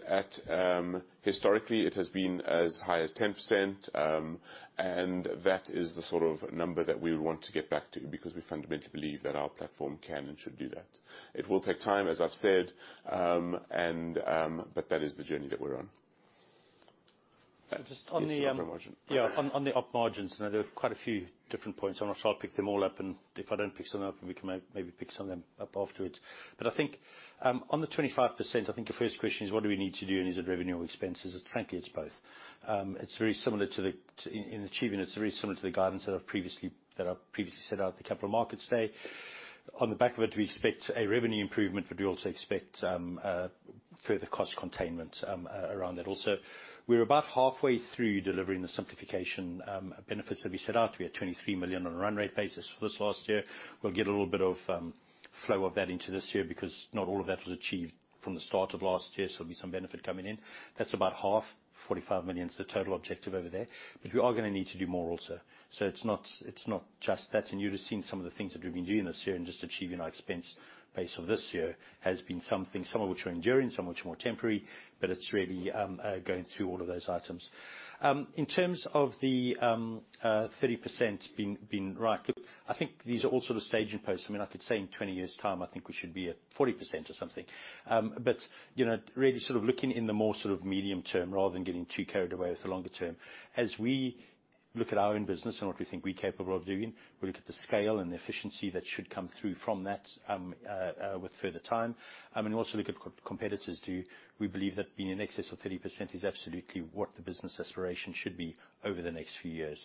historically, it has been as high as 10%, and that is the sort of number that we would want to get back to because we fundamentally believe that our platform can and should do that. It will take time, as I've said, but that is the journey that we're on. Just on the, Yes, on the operating margin. Yeah, on the op margins, you know, there are quite a few different points, and I shall pick them all up, and if I don't pick some up, we can maybe pick some of them up afterwards. I think, on the 25%, I think your first question is, what do we need to do, and is it revenue or expenses? Frankly, it's both. It's very similar to the guidance that I previously set out at the Capital Markets Day. On the back of it, we expect a revenue improvement, but we also expect further cost containment around that also. We're about halfway through delivering the simplification benefits that we set out. We had 23 million on a run rate basis for this last year. We'll get a little bit of flow of that into this year because not all of that was achieved from the start of last year, so there'll be some benefit coming in. That's about half. 45 million is the total objective over there. We are gonna need to do more also. It's not, it's not just that. You've just seen some of the things that we've been doing this year and just achieving our expense base of this year has been something, some of which are enduring, some of which are more temporary, but it's really going through all of those items. In terms of the 30% being right, look, I think these are all sort of staging posts. I mean, I could say in 20 years' time, I think we should be at 40% or something. You know, really sort of looking in the more sort of medium-term rather than getting too carried away with the longer-term, as we look at our own business and what we think we're capable of doing, we look at the scale and the efficiency that should come through from that with further time, and also look at what competitors do. We believe that being in excess of 30% is absolutely what the business aspiration should be over the next few years.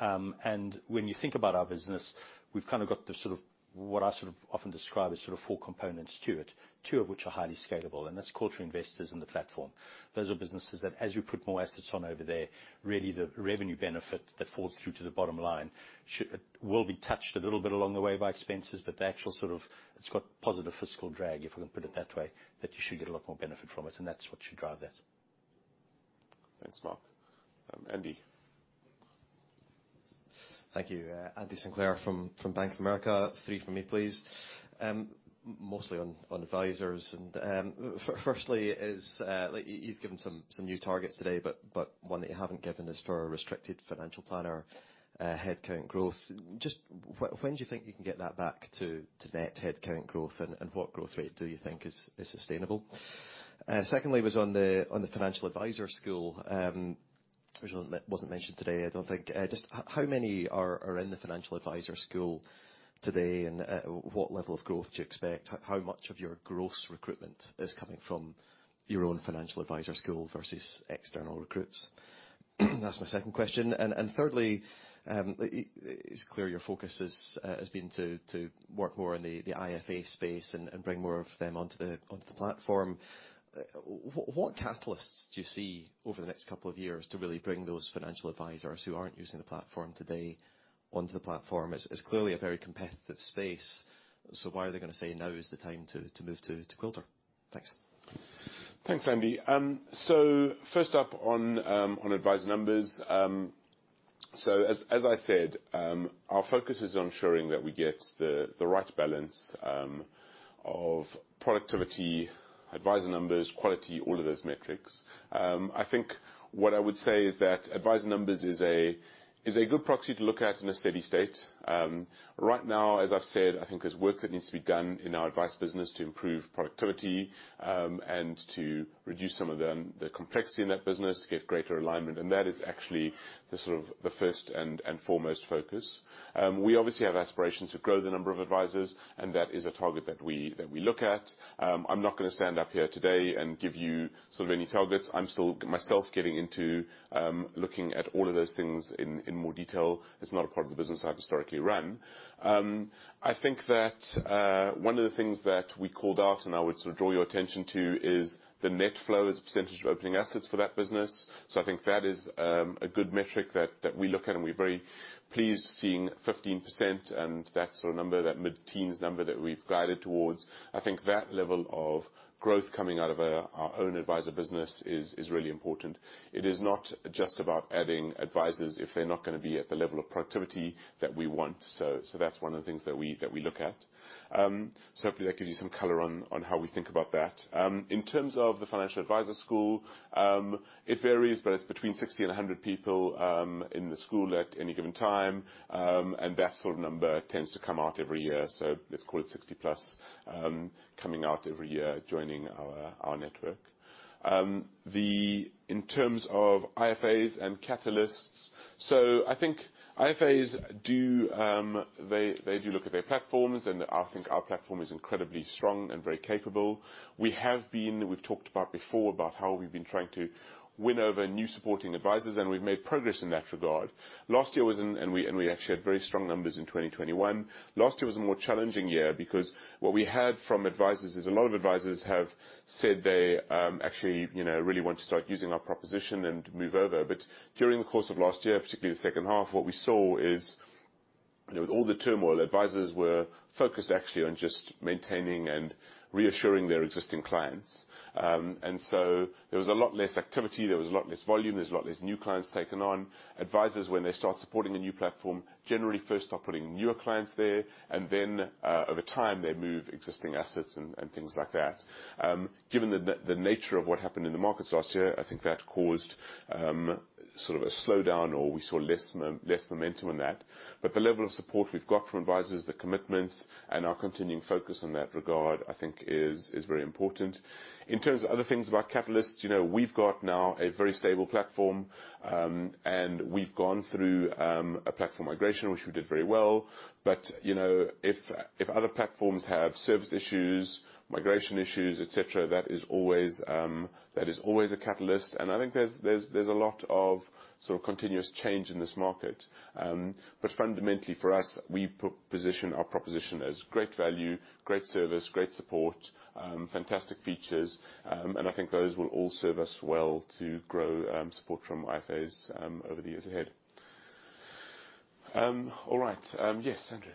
When you think about our business, we've kind of got the sort of what I sort of often describe as sort of four components to it, two of which are highly scalable, and that's Quilter Investors and the platform. Those are businesses that as you put more assets on over there, really the revenue benefit that falls through to the bottom line will be touched a little bit along the way by expenses, but the actual sort of. It's got positive fiscal drag, if we can put it that way, that you should get a lot more benefit from it. That's what should drive that. Thanks, Mark. Andy. Thank you. Andy Sinclair from Bank of America. Three from me, please. Mostly on advisors. Firstly is, like, you've given some new targets today, but one that you haven't given is for restricted financial planner headcount growth. Just when do you think you can get that back to net headcount growth, and what growth rate do you think is sustainable? Secondly was on the financial advisor school, which wasn't mentioned today, I don't think. Just how many are in the financial advisor school today, and what level of growth do you expect? How much of your gross recruitment is coming from your own financial advisor school versus external recruits? That's my second question. Thirdly, it's clear your focus has been to work more in the IFA space and bring more of them onto the platform. What catalysts do you see over the next couple of years to really bring those financial advisors who aren't using the platform today onto the platform? It's clearly a very competitive space, why are they gonna say now is the time to move to Quilter? Thanks. Thanks, Andy. First up on on advisor numbers. As I said, our focus is on ensuring that we get the right balance, of productivity, advisor numbers, quality, all of those metrics. I think what I would say is that advisor numbers is a good proxy to look at in a steady state. Right now, as I've said, I think there's work that needs to be done in our advice business to improve productivity, and to reduce some of the complexity in that business to get greater alignment. That is actually the sort of the first and foremost focus. We obviously have aspirations to grow the number of advisors. That is a target that we look at. I'm not gonna stand up here today and give you sort of any targets. I'm still myself getting into, looking at all of those things in more detail. It's not a part of the business I've historically run. I think that one of the things that we called out, and I would sort of draw your attention to, is the net flow as a percentage of opening assets for that business. I think that is a good metric that we look at, and we're very pleased seeing 15%, and that sort of number, that mid-teens number that we've guided towards. I think that level of growth coming out of our own advisor business is really important. It is not just about adding advisors if they're not gonna be at the level of productivity that we want. That's one of the things that we look at. Hopefully that gives you some color on how we think about that. In terms of the financial advisor school, it varies, but it's between 60 and 100 people in the school at any given time. That sort of number tends to come out every year. Let's call it 60+ coming out every year, joining our network. In terms of IFAs and catalysts, I think IFAs do, they do look at their platforms, and I think our platform is incredibly strong and very capable. We've talked about before about how we've been trying to win over new supporting advisors, and we've made progress in that regard. Last year was an... We actually had very strong numbers in 2021. Last year was a more challenging year because what we had from advisors is a lot of advisors have said they actually, you know, really want to start using our proposition and move over. During the course of last year, particularly the second half, what we saw is, with all the turmoil, advisors were focused actually on just maintaining and reassuring their existing clients. There was a lot less activity, there was a lot less volume, there was a lot less new clients taken on. Advisors, when they start supporting a new platform, generally first start putting newer clients there, and then, over time, they move existing assets and things like that. Given the nature of what happened in the markets last year, I think that caused sort of a slowdown, or we saw less momentum in that. The level of support we've got from advisors, the commitments, and our continuing focus in that regard, I think is very important. In terms of other things about catalysts, you know, we've got now a very stable platform, and we've gone through a platform migration, which we did very well. You know, if other platforms have service issues, migration issues, et cetera, that is always a catalyst. I think there's a lot of sort of continuous change in this market. But fundamentally for us, we position our proposition as great value, great service, great support, fantastic features, and I think those will all serve us well to grow support from IFAs over the years ahead. All right. Yes, Andrew.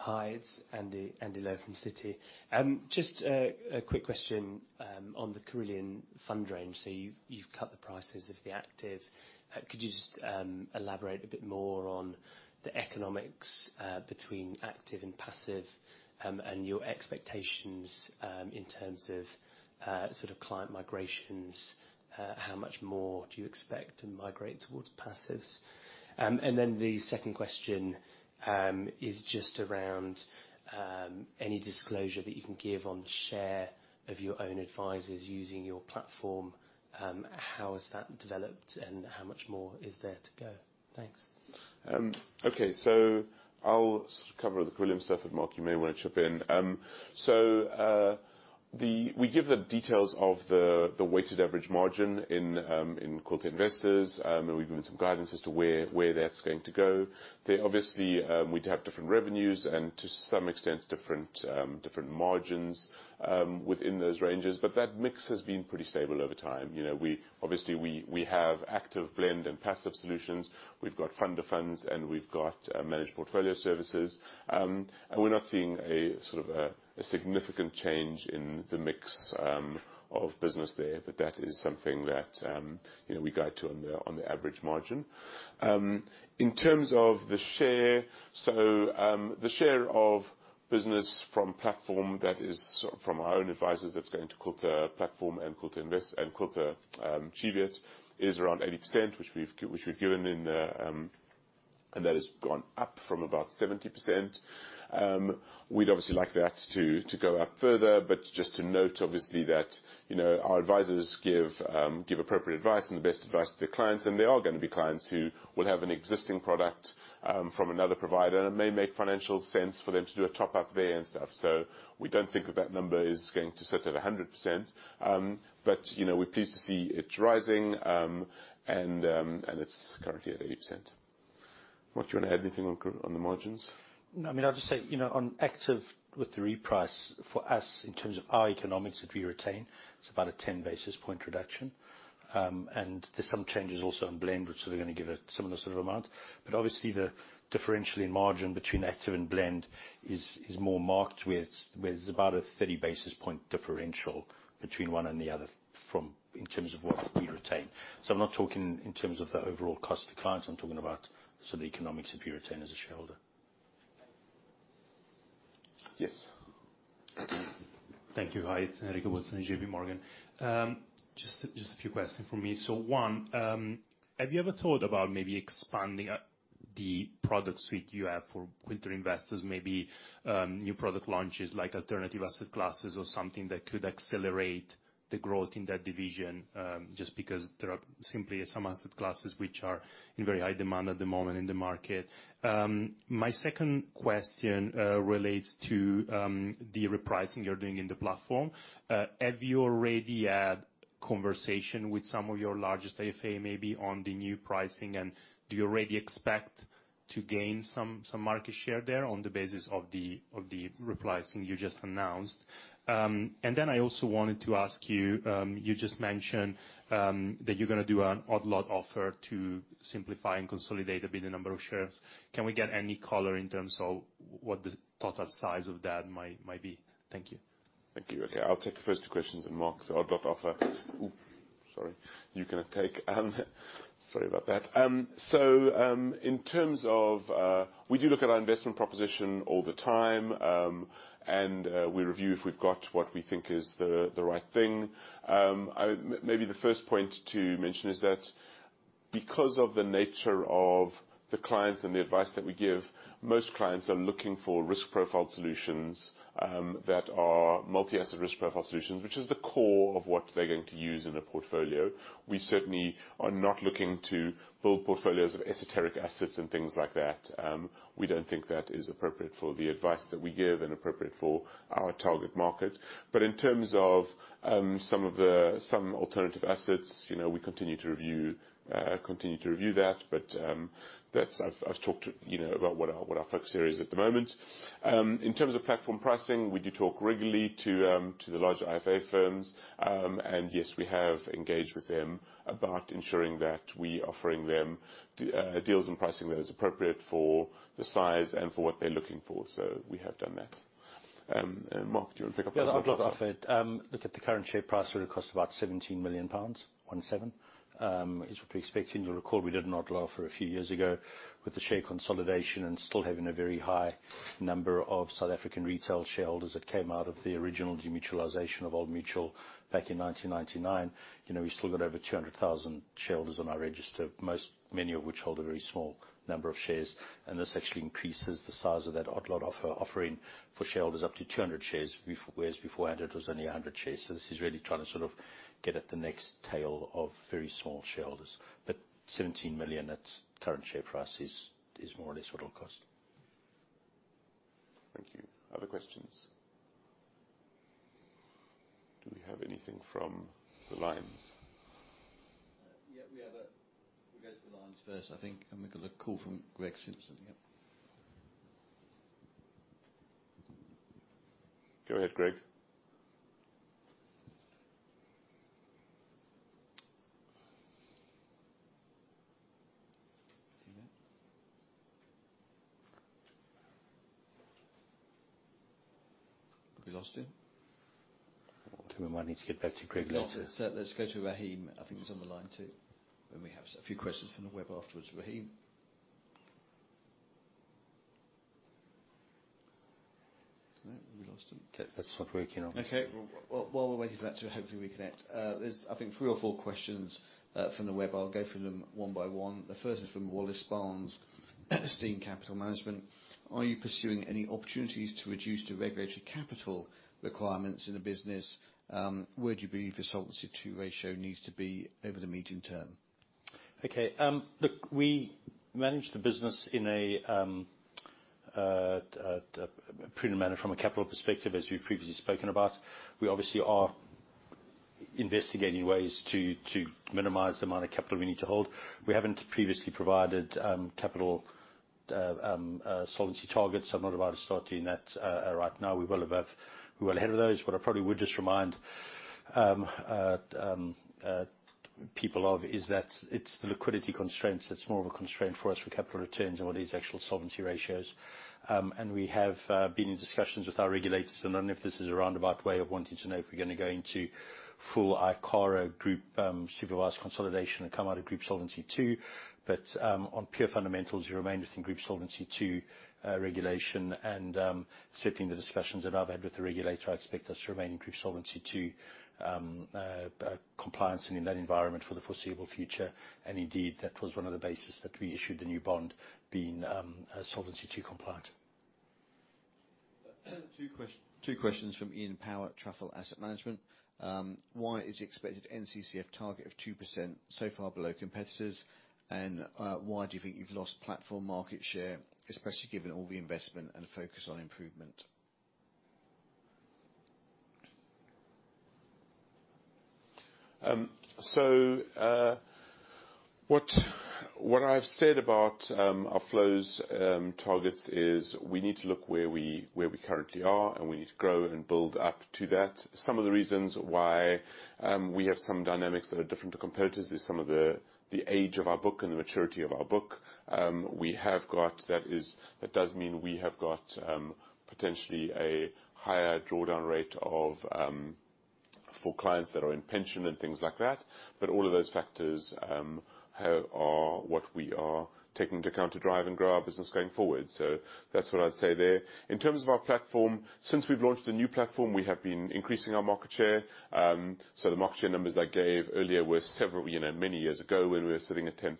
Hi, it's Andy, Andrew Lowe from Citigroup. Just a quick question on the Cirilium fund range. You've cut the prices of the Active. Could you just elaborate a bit more on the economics between Active and passive, and your expectations in terms of sort of client migrations? How much more do you expect to migrate towards passives? The second question is just around any disclosure that you can give on the share of your own advisors using your platform. How has that developed, and how much more is there to go? Thanks. Okay. I'll cover the Cirilium stuff, and Mark, you may want to chip in. We give the details of the weighted average margin in Quilter Investors, and we've given some guidance as to where that's going to go. They obviously, we'd have different revenues and to some extent different margins within those ranges. That mix has been pretty stable over time. You know, we obviously, we have active blend and passive solutions. We've got fund to funds and we've got managed portfolio services. We're not seeing a sort of a significant change in the mix of business there. That is something that, you know, we guide to on the average margin. In terms of the share, the share of business from platform that is from our own advisors that's going to Quilter Platform and Quilter Invest and Quilter Cheviot is around 80%, which we've given in the. That has gone up from about 70%. We'd obviously like that to go up further, but just to note obviously that, you know, our advisors give appropriate advice and the best advice to their clients, and there are gonna be clients who will have an existing product from another provider, and it may make financial sense for them to do a top-up there and stuff. We don't think that that number is going to sit at 100%. You know, we're pleased to see it rising, and it's currently at 80%. Mark, do you want to add anything on the margins? No, I mean, I'll just say, you know, on active with the reprice for us in terms of our economics that we retain, it's about a ten basis point reduction. There's some changes also in blend, so they're gonna give a similar sort of amount. Obviously the differential in margin between active and blend is more marked with about a 30 basis point differential between one and the other in terms of what we retain. I'm not talking in terms of the overall cost to clients. I'm talking about sort of the economics that we retain as a shareholder. Yes. Thank you. Hi, it's Enrico Bolzoni, JPMorgan. Just a few questions from me. One, have you ever thought about maybe expanding the product suite you have for Quilter Investors, maybe new product launches like alternative asset classes or something that could accelerate the growth in that division? Just because there are simply some asset classes which are in very high demand at the moment in the market. My second question relates to the repricing you're doing in the platform. Have you already had conversation with some of your largest IFA maybe on the new pricing? Do you already expect to gain some market share there on the basis of the repricing you just announced? I also wanted to ask you just mentioned that you're gonna do an odd lot offer to simplify and consolidate a bit the number of shares. Can we get any color in terms of what the total size of that might be? Thank you. Thank you. Okay, I'll take the first two questions, and Mark, the odd lot offer. Sorry. You can take, sorry about that. In terms of, we do look at our investment proposition all the time, and we review if we've got what we think is the right thing. Maybe the first point to mention is that. Because of the nature of the clients and the advice that we give, most clients are looking for risk profile solutions that are multi-asset risk profile solutions, which is the core of what they're going to use in a portfolio. We certainly are not looking to build portfolios of esoteric assets and things like that. We don't think that is appropriate for the advice that we give and appropriate for our target market. In terms of, some of the, some alternative assets, you know, we continue to review, continue to review that. I've talked, you know, about what our focus here is at the moment. In terms of platform pricing, we do talk regularly to the larger IFA firms. Yes, we have engaged with them about ensuring that we offering them deals and pricing that is appropriate for the size and for what they're looking for. We have done that. Mark, do you want to pick up on that? Yeah, the odd lot offer. Look at the current share price would have cost about 17 million pounds, one seven. As you'd be expecting. You'll recall we did an odd lot offer a few years ago with the share consolidation and still having a very high number of South African retail shareholders that came out of the original demutualization of Old Mutual back in 1999. You know, we still got over 200,000 shareholders on our register, many of which hold a very small number of shares. This actually increases the size of that odd lot offer, offering for shareholders up to 200 shares, whereas before it was only 100 shares. This is really trying to sort of get at the next tail of very small shareholders. 17 million at current share price is more or less what it'll cost. Thank you. Other questions? Do we have anything from the lines? Yeah, we'll go to the lines first, I think, and we've got a call from Greg Simpson. Yep. Go ahead, Greg. Have we lost him? Think we might need to get back to Greg later. Let's, let's go to Rahim. I think he's on the line too. We have a few questions from the web afterwards. Rahim? All right. We lost him. Okay. That's not working on this. Okay. Well, while we're waiting for that to hopefully reconnect, there's I think three or four questions from the web. I'll go through them one by one. The first is from Walid Bellaha, Esteem Capital Management. Are you pursuing any opportunities to reduce the regulatory capital requirements in the business? Where do you believe your Solvency II ratio needs to be over the medium-term? Okay. Look, we manage the business in a prudent manner from a capital perspective, as we've previously spoken about. We obviously are investigating ways to minimize the amount of capital we need to hold. We haven't previously provided capital solvency targets. I'm not about to start doing that right now. We're well above, we're well ahead of those. What I probably would just remind people of is that it's the liquidity constraints that's more of a constraint for us for capital returns than what is actual solvency ratios. We have been in discussions with our regulators. I don't know if this is a roundabout way of wanting to know if we're gonna go into full ICAR group supervised consolidation and come out of Group Solvency II. On pure fundamentals, we remain within Group Solvency II regulation. Certainly in the discussions that I've had with the regulator, I expect us to remain in Group Solvency II compliance and in that environment for the foreseeable future. Indeed, that was one of the basis that we issued the new bond being Solvency II compliant. Two questions from Iain Power at Truffle Asset Management. Why is expected NCCF target of 2% so far below competitors? Why do you think you've lost platform market share, especially given all the investment and focus on improvement? What I've said about our flows targets is we need to look where we currently are, and we need to grow and build up to that. Some of the reasons why we have some dynamics that are different to competitors is some of the age of our book and the maturity of our book. We have got potentially a higher drawdown rate of for clients that are in pension and things like that. All of those factors are what we are taking into account to drive and grow our business going forward. That's what I'd say there. In terms of our platform, since we've launched the new platform, we have been increasing our market share. The market share numbers I gave earlier were several, you know, many years ago when we were sitting at 10%.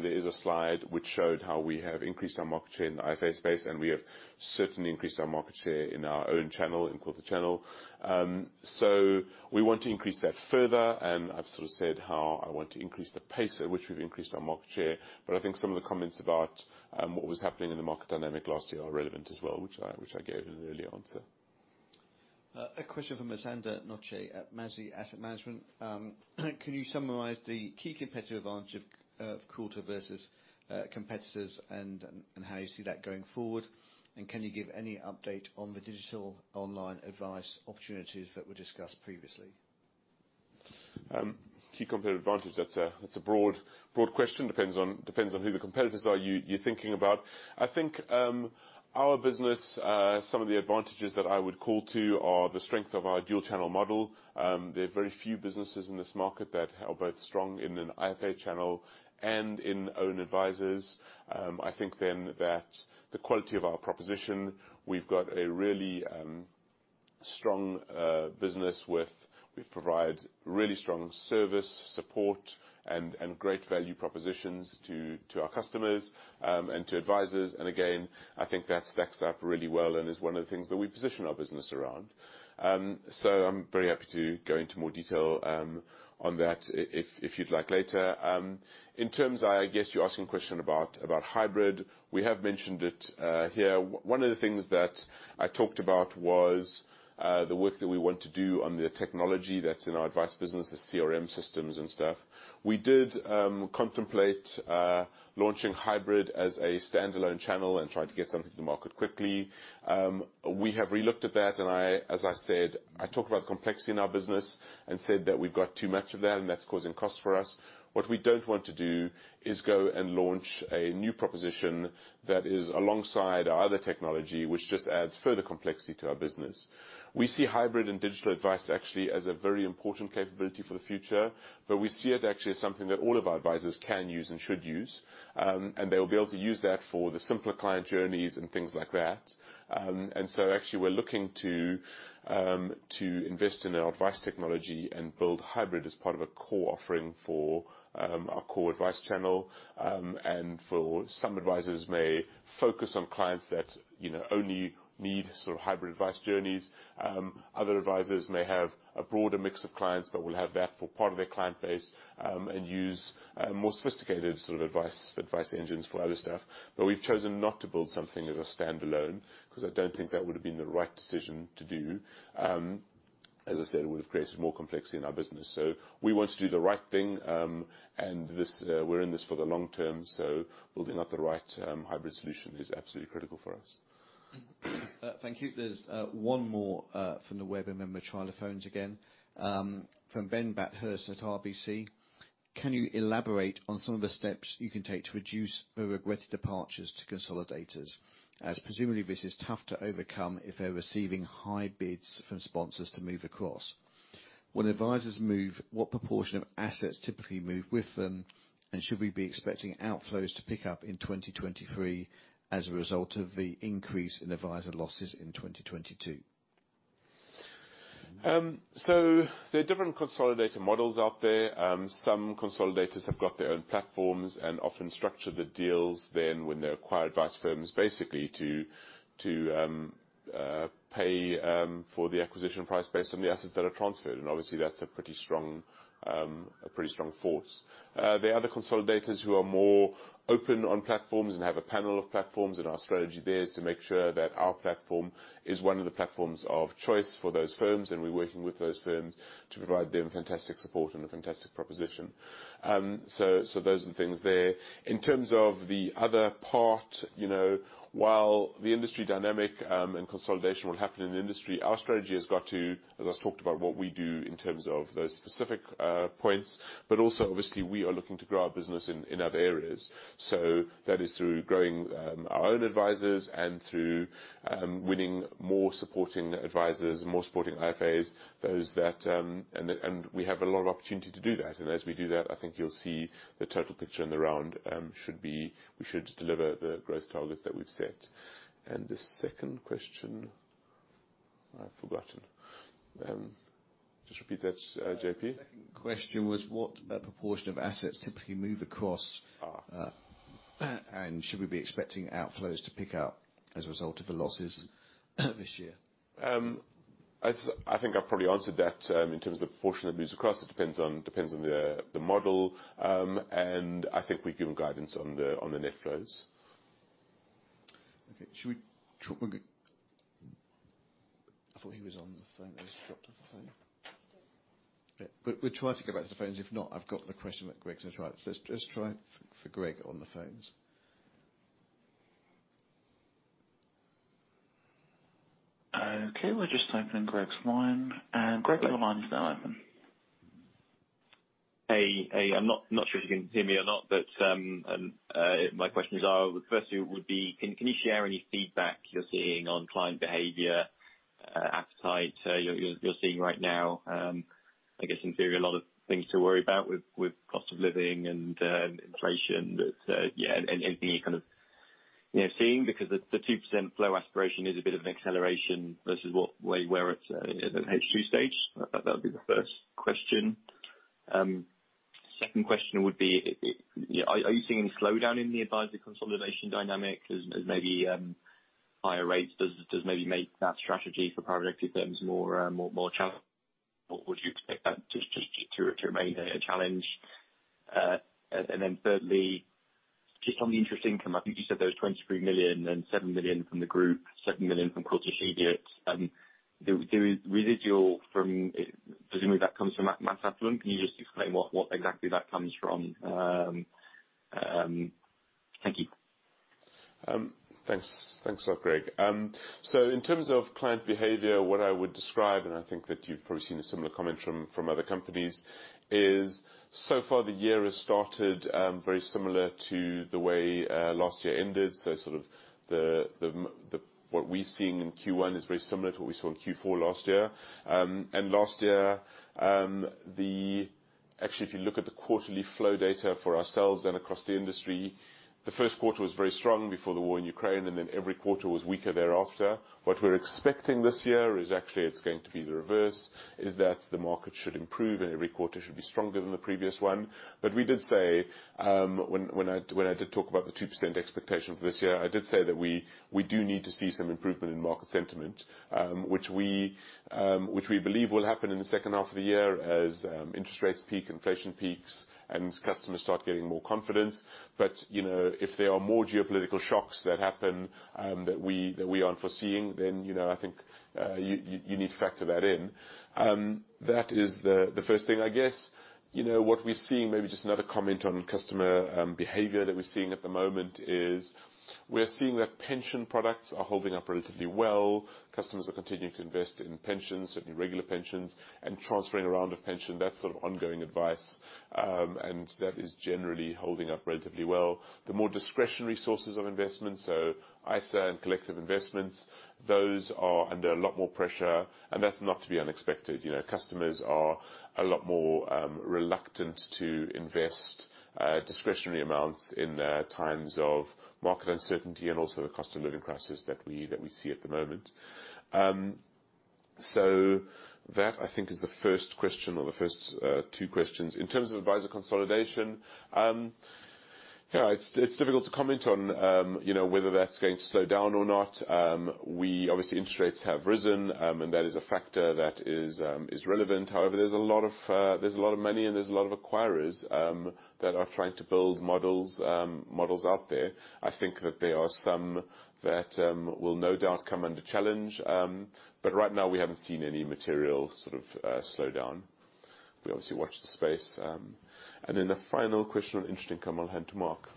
There is a slide which showed how we have increased our market share in the IFA space, and we have certainly increased our market share in our own channel, in Quilter channel. We want to increase that further, and I've sort of said how I want to increase the pace at which we've increased our market share. I think some of the comments about what was happening in the market dynamic last year are relevant as well, which I gave in an earlier answer. A question from Asanda Ntozini at Mazi Asset Management. Can you summarize the key competitive advantage of Quilter versus competitors and how you see that going forward? Can you give any update on the digital online advice opportunities that were discussed previously? Key competitive advantage, that's a broad question. Depends on who the competitors are you're thinking about. I think our business, some of the advantages that I would call to are the strength of our dual channel model. There are very few businesses in this market that are both strong in an IFA channel and in own advisors. I think then that the quality of our proposition, we've got a really strong business with we provide really strong service, support, and great value propositions to our customers and to advisors. Again, I think that stacks up really well and is one of the things that we position our business around. I'm very happy to go into more detail on that if you'd like later. In terms, I guess you're asking a question about hybrid. We have mentioned it here. One of the things that I talked about was the work that we want to do on the technology that's in our advice business, the CRM systems and stuff. We did contemplate launching hybrid as a standalone channel and trying to get something to the market quickly. We have relooked at that, and as I said, I talked about complexity in our business and said that we've got too much of that and that's causing costs for us. What we don't want to do is go and launch a new proposition that is alongside our other technology, which just adds further complexity to our business. We see hybrid and digital advice actually as a very important capability for the future, but we see it actually as something that all of our advisors can use and should use. They'll be able to use that for the simpler client journeys and things like that. Actually we're looking to invest in our advice technology and build hybrid as part of a core offering for our core advice channel. For some advisors may focus on clients that, you know, only need sort of hybrid advice journeys. Other advisors may have a broader mix of clients but will have that for part of their client base and use a more sophisticated sort of advice engines for other stuff. We've chosen not to build something as a standalone because I don't think that would have been the right decision to do. As I said, it would have created more complexity in our business. We want to do the right thing, and this, we're in this for the long term, so building out the right hybrid solution is absolutely critical for us. Thank you. There's one more from the web and then we'll try the phones again. From Ben Bathurst at RBC. Can you elaborate on some of the steps you can take to reduce the regretted departures to consolidators, as presumably this is tough to overcome if they're receiving high bids from sponsors to move across? When advisors move, what proportion of assets typically move with them, should we be expecting outflows to pick up in 2023 as a result of the increase in advisor losses in 2022? There are different consolidator models out there. Some consolidators have got their own platforms and often structure the deals then when they acquire advice firms basically to pay for the acquisition price based on the assets that are transferred. Obviously that's a pretty strong force. The other consolidators who are more open on platforms and have a panel of platforms, our strategy there is to make sure that our platform is one of the platforms of choice for those firms, and we're working with those firms to provide them fantastic support and a fantastic proposition. Those are the things there. In terms of the other part, you know, while the industry dynamic, and consolidation will happen in the industry, our strategy has got to, as I talked about what we do in terms of those specific points, but also obviously, we are looking to grow our business in other areas. That is through growing our own advisors and through winning more supporting advisors, more supporting IFAs, those that... We have a lot of opportunity to do that. As we do that, I think you'll see the total picture in the round, should be, we should deliver the growth targets that we've set. The second question I've forgotten. Just repeat that, J.P. The second question was, what proportion of assets typically move across? Ah. Should we be expecting outflows to pick up as a result of the losses this year? I think I've probably answered that in terms of the proportion that moves across. It depends on the model. I think we've given guidance on the net flows. Okay. Should we. I thought he was on the phone. He's dropped off the phone. Yeah. We'll try to go back to the phones. If not, I've got the question that Greg's gonna try. Let's try for Greg on the phones. Okay, we're just opening Greg's line. Greg, your line is now open. Hey, I'm not sure if you can hear me or not, my questions are: firstly would be, can you share any feedback you're seeing on client behavior, appetite, you're seeing right now? I guess in theory, a lot of things to worry about with cost of living and inflation. Yeah, anything you're kind of, you know, seeing? Because the 2% flow aspiration is a bit of an acceleration versus where you were at H2 stage. That'd be the first question. Second question would be, are you seeing any slowdown in the advisory consolidation dynamic as maybe higher rates does maybe make that strategy for private equity firms more challenging? Or would you expect that just to remain a challenge? Thirdly, just on the interest income, I think you said there was 23 million and 7 million from the group, 7 million from quarter. The residual from, presumably that comes from asset flow. Can you just explain what exactly that comes from? Thank you. Thanks. Thanks a lot, Greg. In terms of client behavior, what I would describe, and I think that you've probably seen a similar comment from other companies, is so far the year has started very similar to the way last year ended. Sort of the what we're seeing in Q1 is very similar to what we saw in Q4 last year. Last year, Actually, if you look at the quarterly flow data for ourselves and across the industry, the first quarter was very strong before the war in Ukraine, and then every quarter was weaker thereafter. What we're expecting this year is actually it's going to be the reverse, is that the market should improve and every quarter should be stronger than the previous one. We did say, when I did talk about the 2% expectation for this year, I did say that we do need to see some improvement in market sentiment, which we believe will happen in the second half of the year as interest rates peak, inflation peaks, and customers start getting more confidence. You know, if there are more geopolitical shocks that happen, that we aren't foreseeing, then, you know, I think you need to factor that in. That is the first thing. I guess, you know, what we're seeing, maybe just another comment on customer behavior that we're seeing at the moment is we're seeing that pension products are holding up relatively well. Customers are continuing to invest in pensions, certainly regular pensions, and transferring around of pension. That's sort of ongoing advice. That is generally holding up relatively well. The more discretionary sources of investment, so ISA and collective investments, those are under a lot more pressure, and that's not to be unexpected. You know, customers are a lot more reluctant to invest discretionary amounts in times of market uncertainty and also the cost of living crisis that we see at the moment. That, I think is the first question or the first two questions. In terms of advisor consolidation, you know, it's difficult to comment on, you know, whether that's going to slow down or not. Obviously, interest rates have risen, and that is a factor that is relevant. There's a lot of, there's a lot of money and there's a lot of acquirers that are trying to build models out there. I think that there are some that will no doubt come under challenge. Right now we haven't seen any material sort of slow down. We obviously watch the space. The final question on interest income, I'll hand to Mark.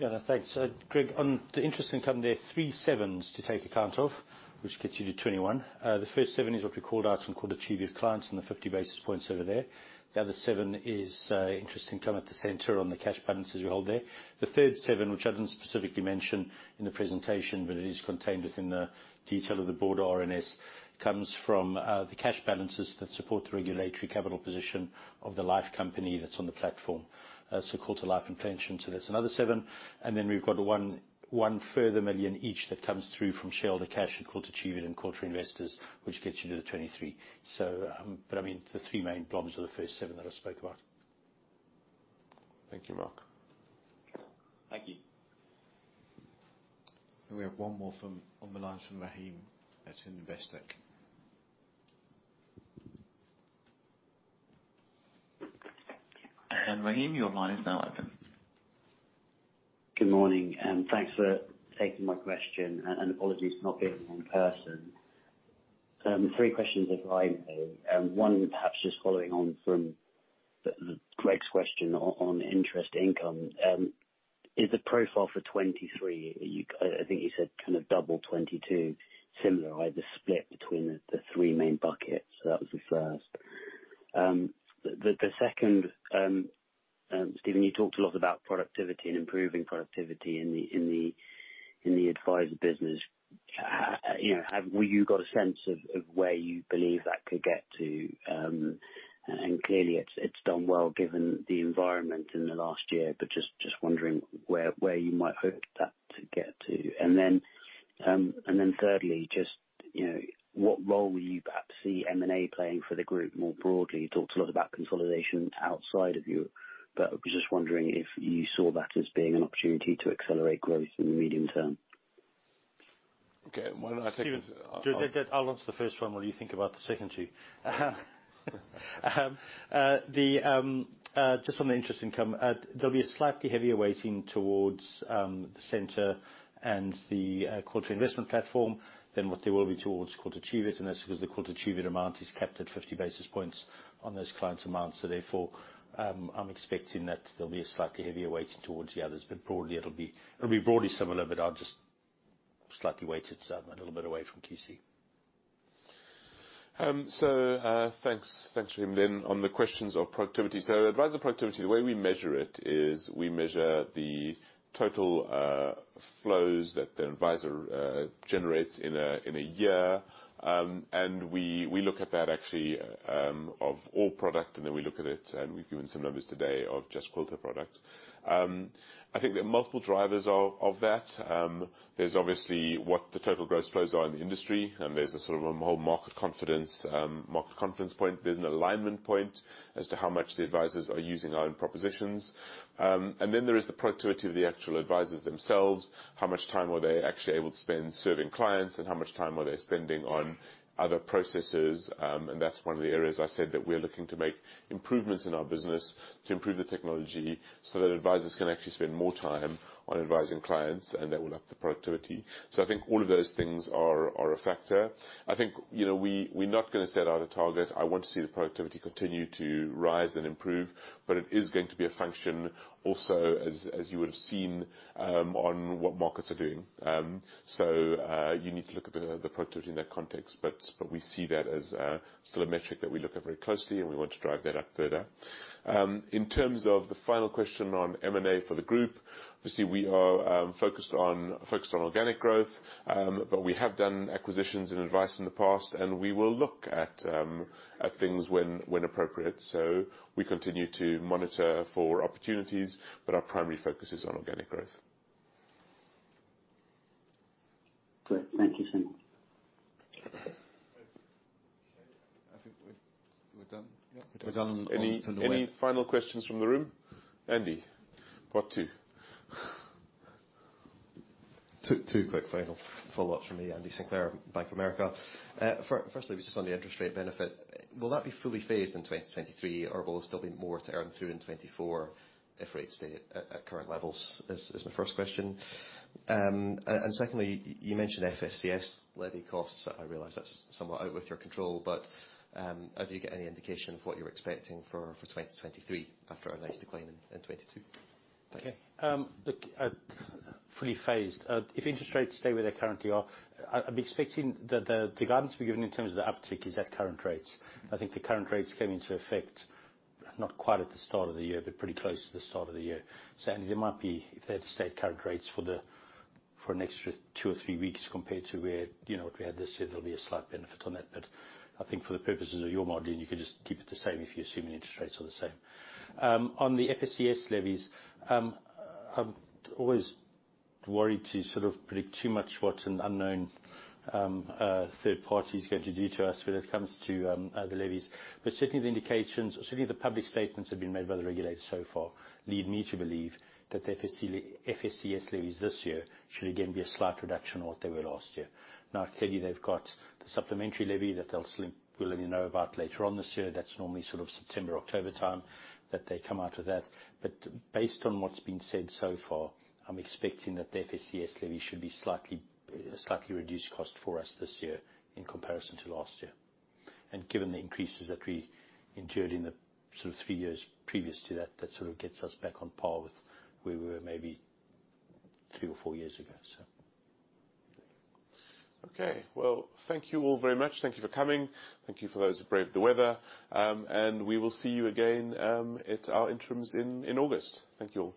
Rahim, your line is now open. Good morning, thanks for taking my question, and apologies for not being in person. Three questions if I may. One perhaps just following on from Greg's question on interest income. Is the profile for 2023, I think you said kind of double 2022, similar. I had the split between the three main buckets. That was the first. The second, Steven, you talked a lot about productivity and improving productivity in the advisor business. You know, have you got a sense of where you believe that could get to? Clearly it's done well given the environment in the last year. Just wondering where you might hope that to get to. Thirdly, just, you know, what role will you perhaps see M&A playing for the group more broadly? You talked a lot about consolidation outside of you, but I was just wondering if you saw that as being an opportunity to accelerate growth in the medium-term. Okay. Why don't I take this. Steven, I'll answer the first one while you think about the second two. Just on the interest income, there'll be a slightly heavier weighting towards the center and the Quilter's Platform than what they will be towards Quilter Cheviot, and that's because the Quilter Cheviot amount is capped at 50 basis points on those clients amounts. I'm expecting that there'll be a slightly heavier weighting towards the others, but broadly it'll be broadly similar, but I'll just slightly weight it a little bit away from QC. Thanks, Rahim. On the questions of productivity. Advisor productivity, the way we measure it is we measure the total flows that the advisor generates in a year. We look at that actually of all product, and then we look at it, and we've given some numbers today, of just Quilter product. I think there are multiple drivers of that. There's obviously what the total gross flows are in the industry, and there's a sort of a whole market confidence, market confidence point. There's an alignment point as to how much the advisors are using our own propositions. Then there is the productivity of the actual advisors themselves. How much time are they actually able to spend serving clients, and how much time are they spending on other processes? That's one of the areas I said that we're looking to make improvements in our business to improve the technology so that advisors can actually spend more time on advising clients, and that will up the productivity. I think all of those things are a factor. I think, you know, we're not gonna set out a target. I want to see the productivity continue to rise and improve, it is going to be a function also as you would've seen on what markets are doing. You need to look at the productivity in that context. We see that as still a metric that we look at very closely, and we want to drive that up further. In terms of the final question on M&A for the group, obviously we are focused on organic growth. We have done acquisitions and advice in the past, and we will look at things when appropriate. We continue to monitor for opportunities, but our primary focus is on organic growth. Great. Thank you so much. I think we're done. Yeah, we're done. Any final questions from the room? Andy, part two. Two quick final follow-ups from me. Andrew Sinclair, Bank of America. Firstly, just on the interest rate benefit, will that be fully phased in 2023 or will there still be more to earn through in 2024 if rates stay at current levels? Is my first question. Secondly, you mentioned FSCS levy costs. I realize that's somewhat out with your control, but have you get any indication of what you're expecting for 2023 after a nice decline in 2022? Thanks. Okay. Look, fully phased. If interest rates stay where they currently are, I'd be expecting the guidance we've given in terms of the uptick is at current rates. I think the current rates came into effect not quite at the start of the year, but pretty close to the start of the year. Andy, there might be, if they had to stay at current rates for an extra two or three weeks compared to where, you know, what we had this year, there'll be a slight benefit on that. I think for the purposes of your modeling, you can just keep it the same if you're assuming interest rates are the same. On the FSCS levies, I'm always worried to sort of predict too much what an unknown third party is going to do to us when it comes to the levies. Certainly the indications or certainly the public statements have been made by the regulators so far lead me to believe that the FSCS levies this year should again be a slight reduction of what they were last year. Clearly, they've got the supplementary levy that they'll still will let me know about later on this year. That's normally sort of September, October time that they come out with that. Based on what's been said so far, I'm expecting that the FSCS levy should be slightly reduced cost for us this year in comparison to last year. Given the increases that we endured in the sort of three years previous to that sort of gets us back on par with where we were maybe three or four years ago, so. Okay. Well, thank you all very much. Thank you for coming. Thank you for those who braved the weather. We will see you again at our interims in August. Thank you all.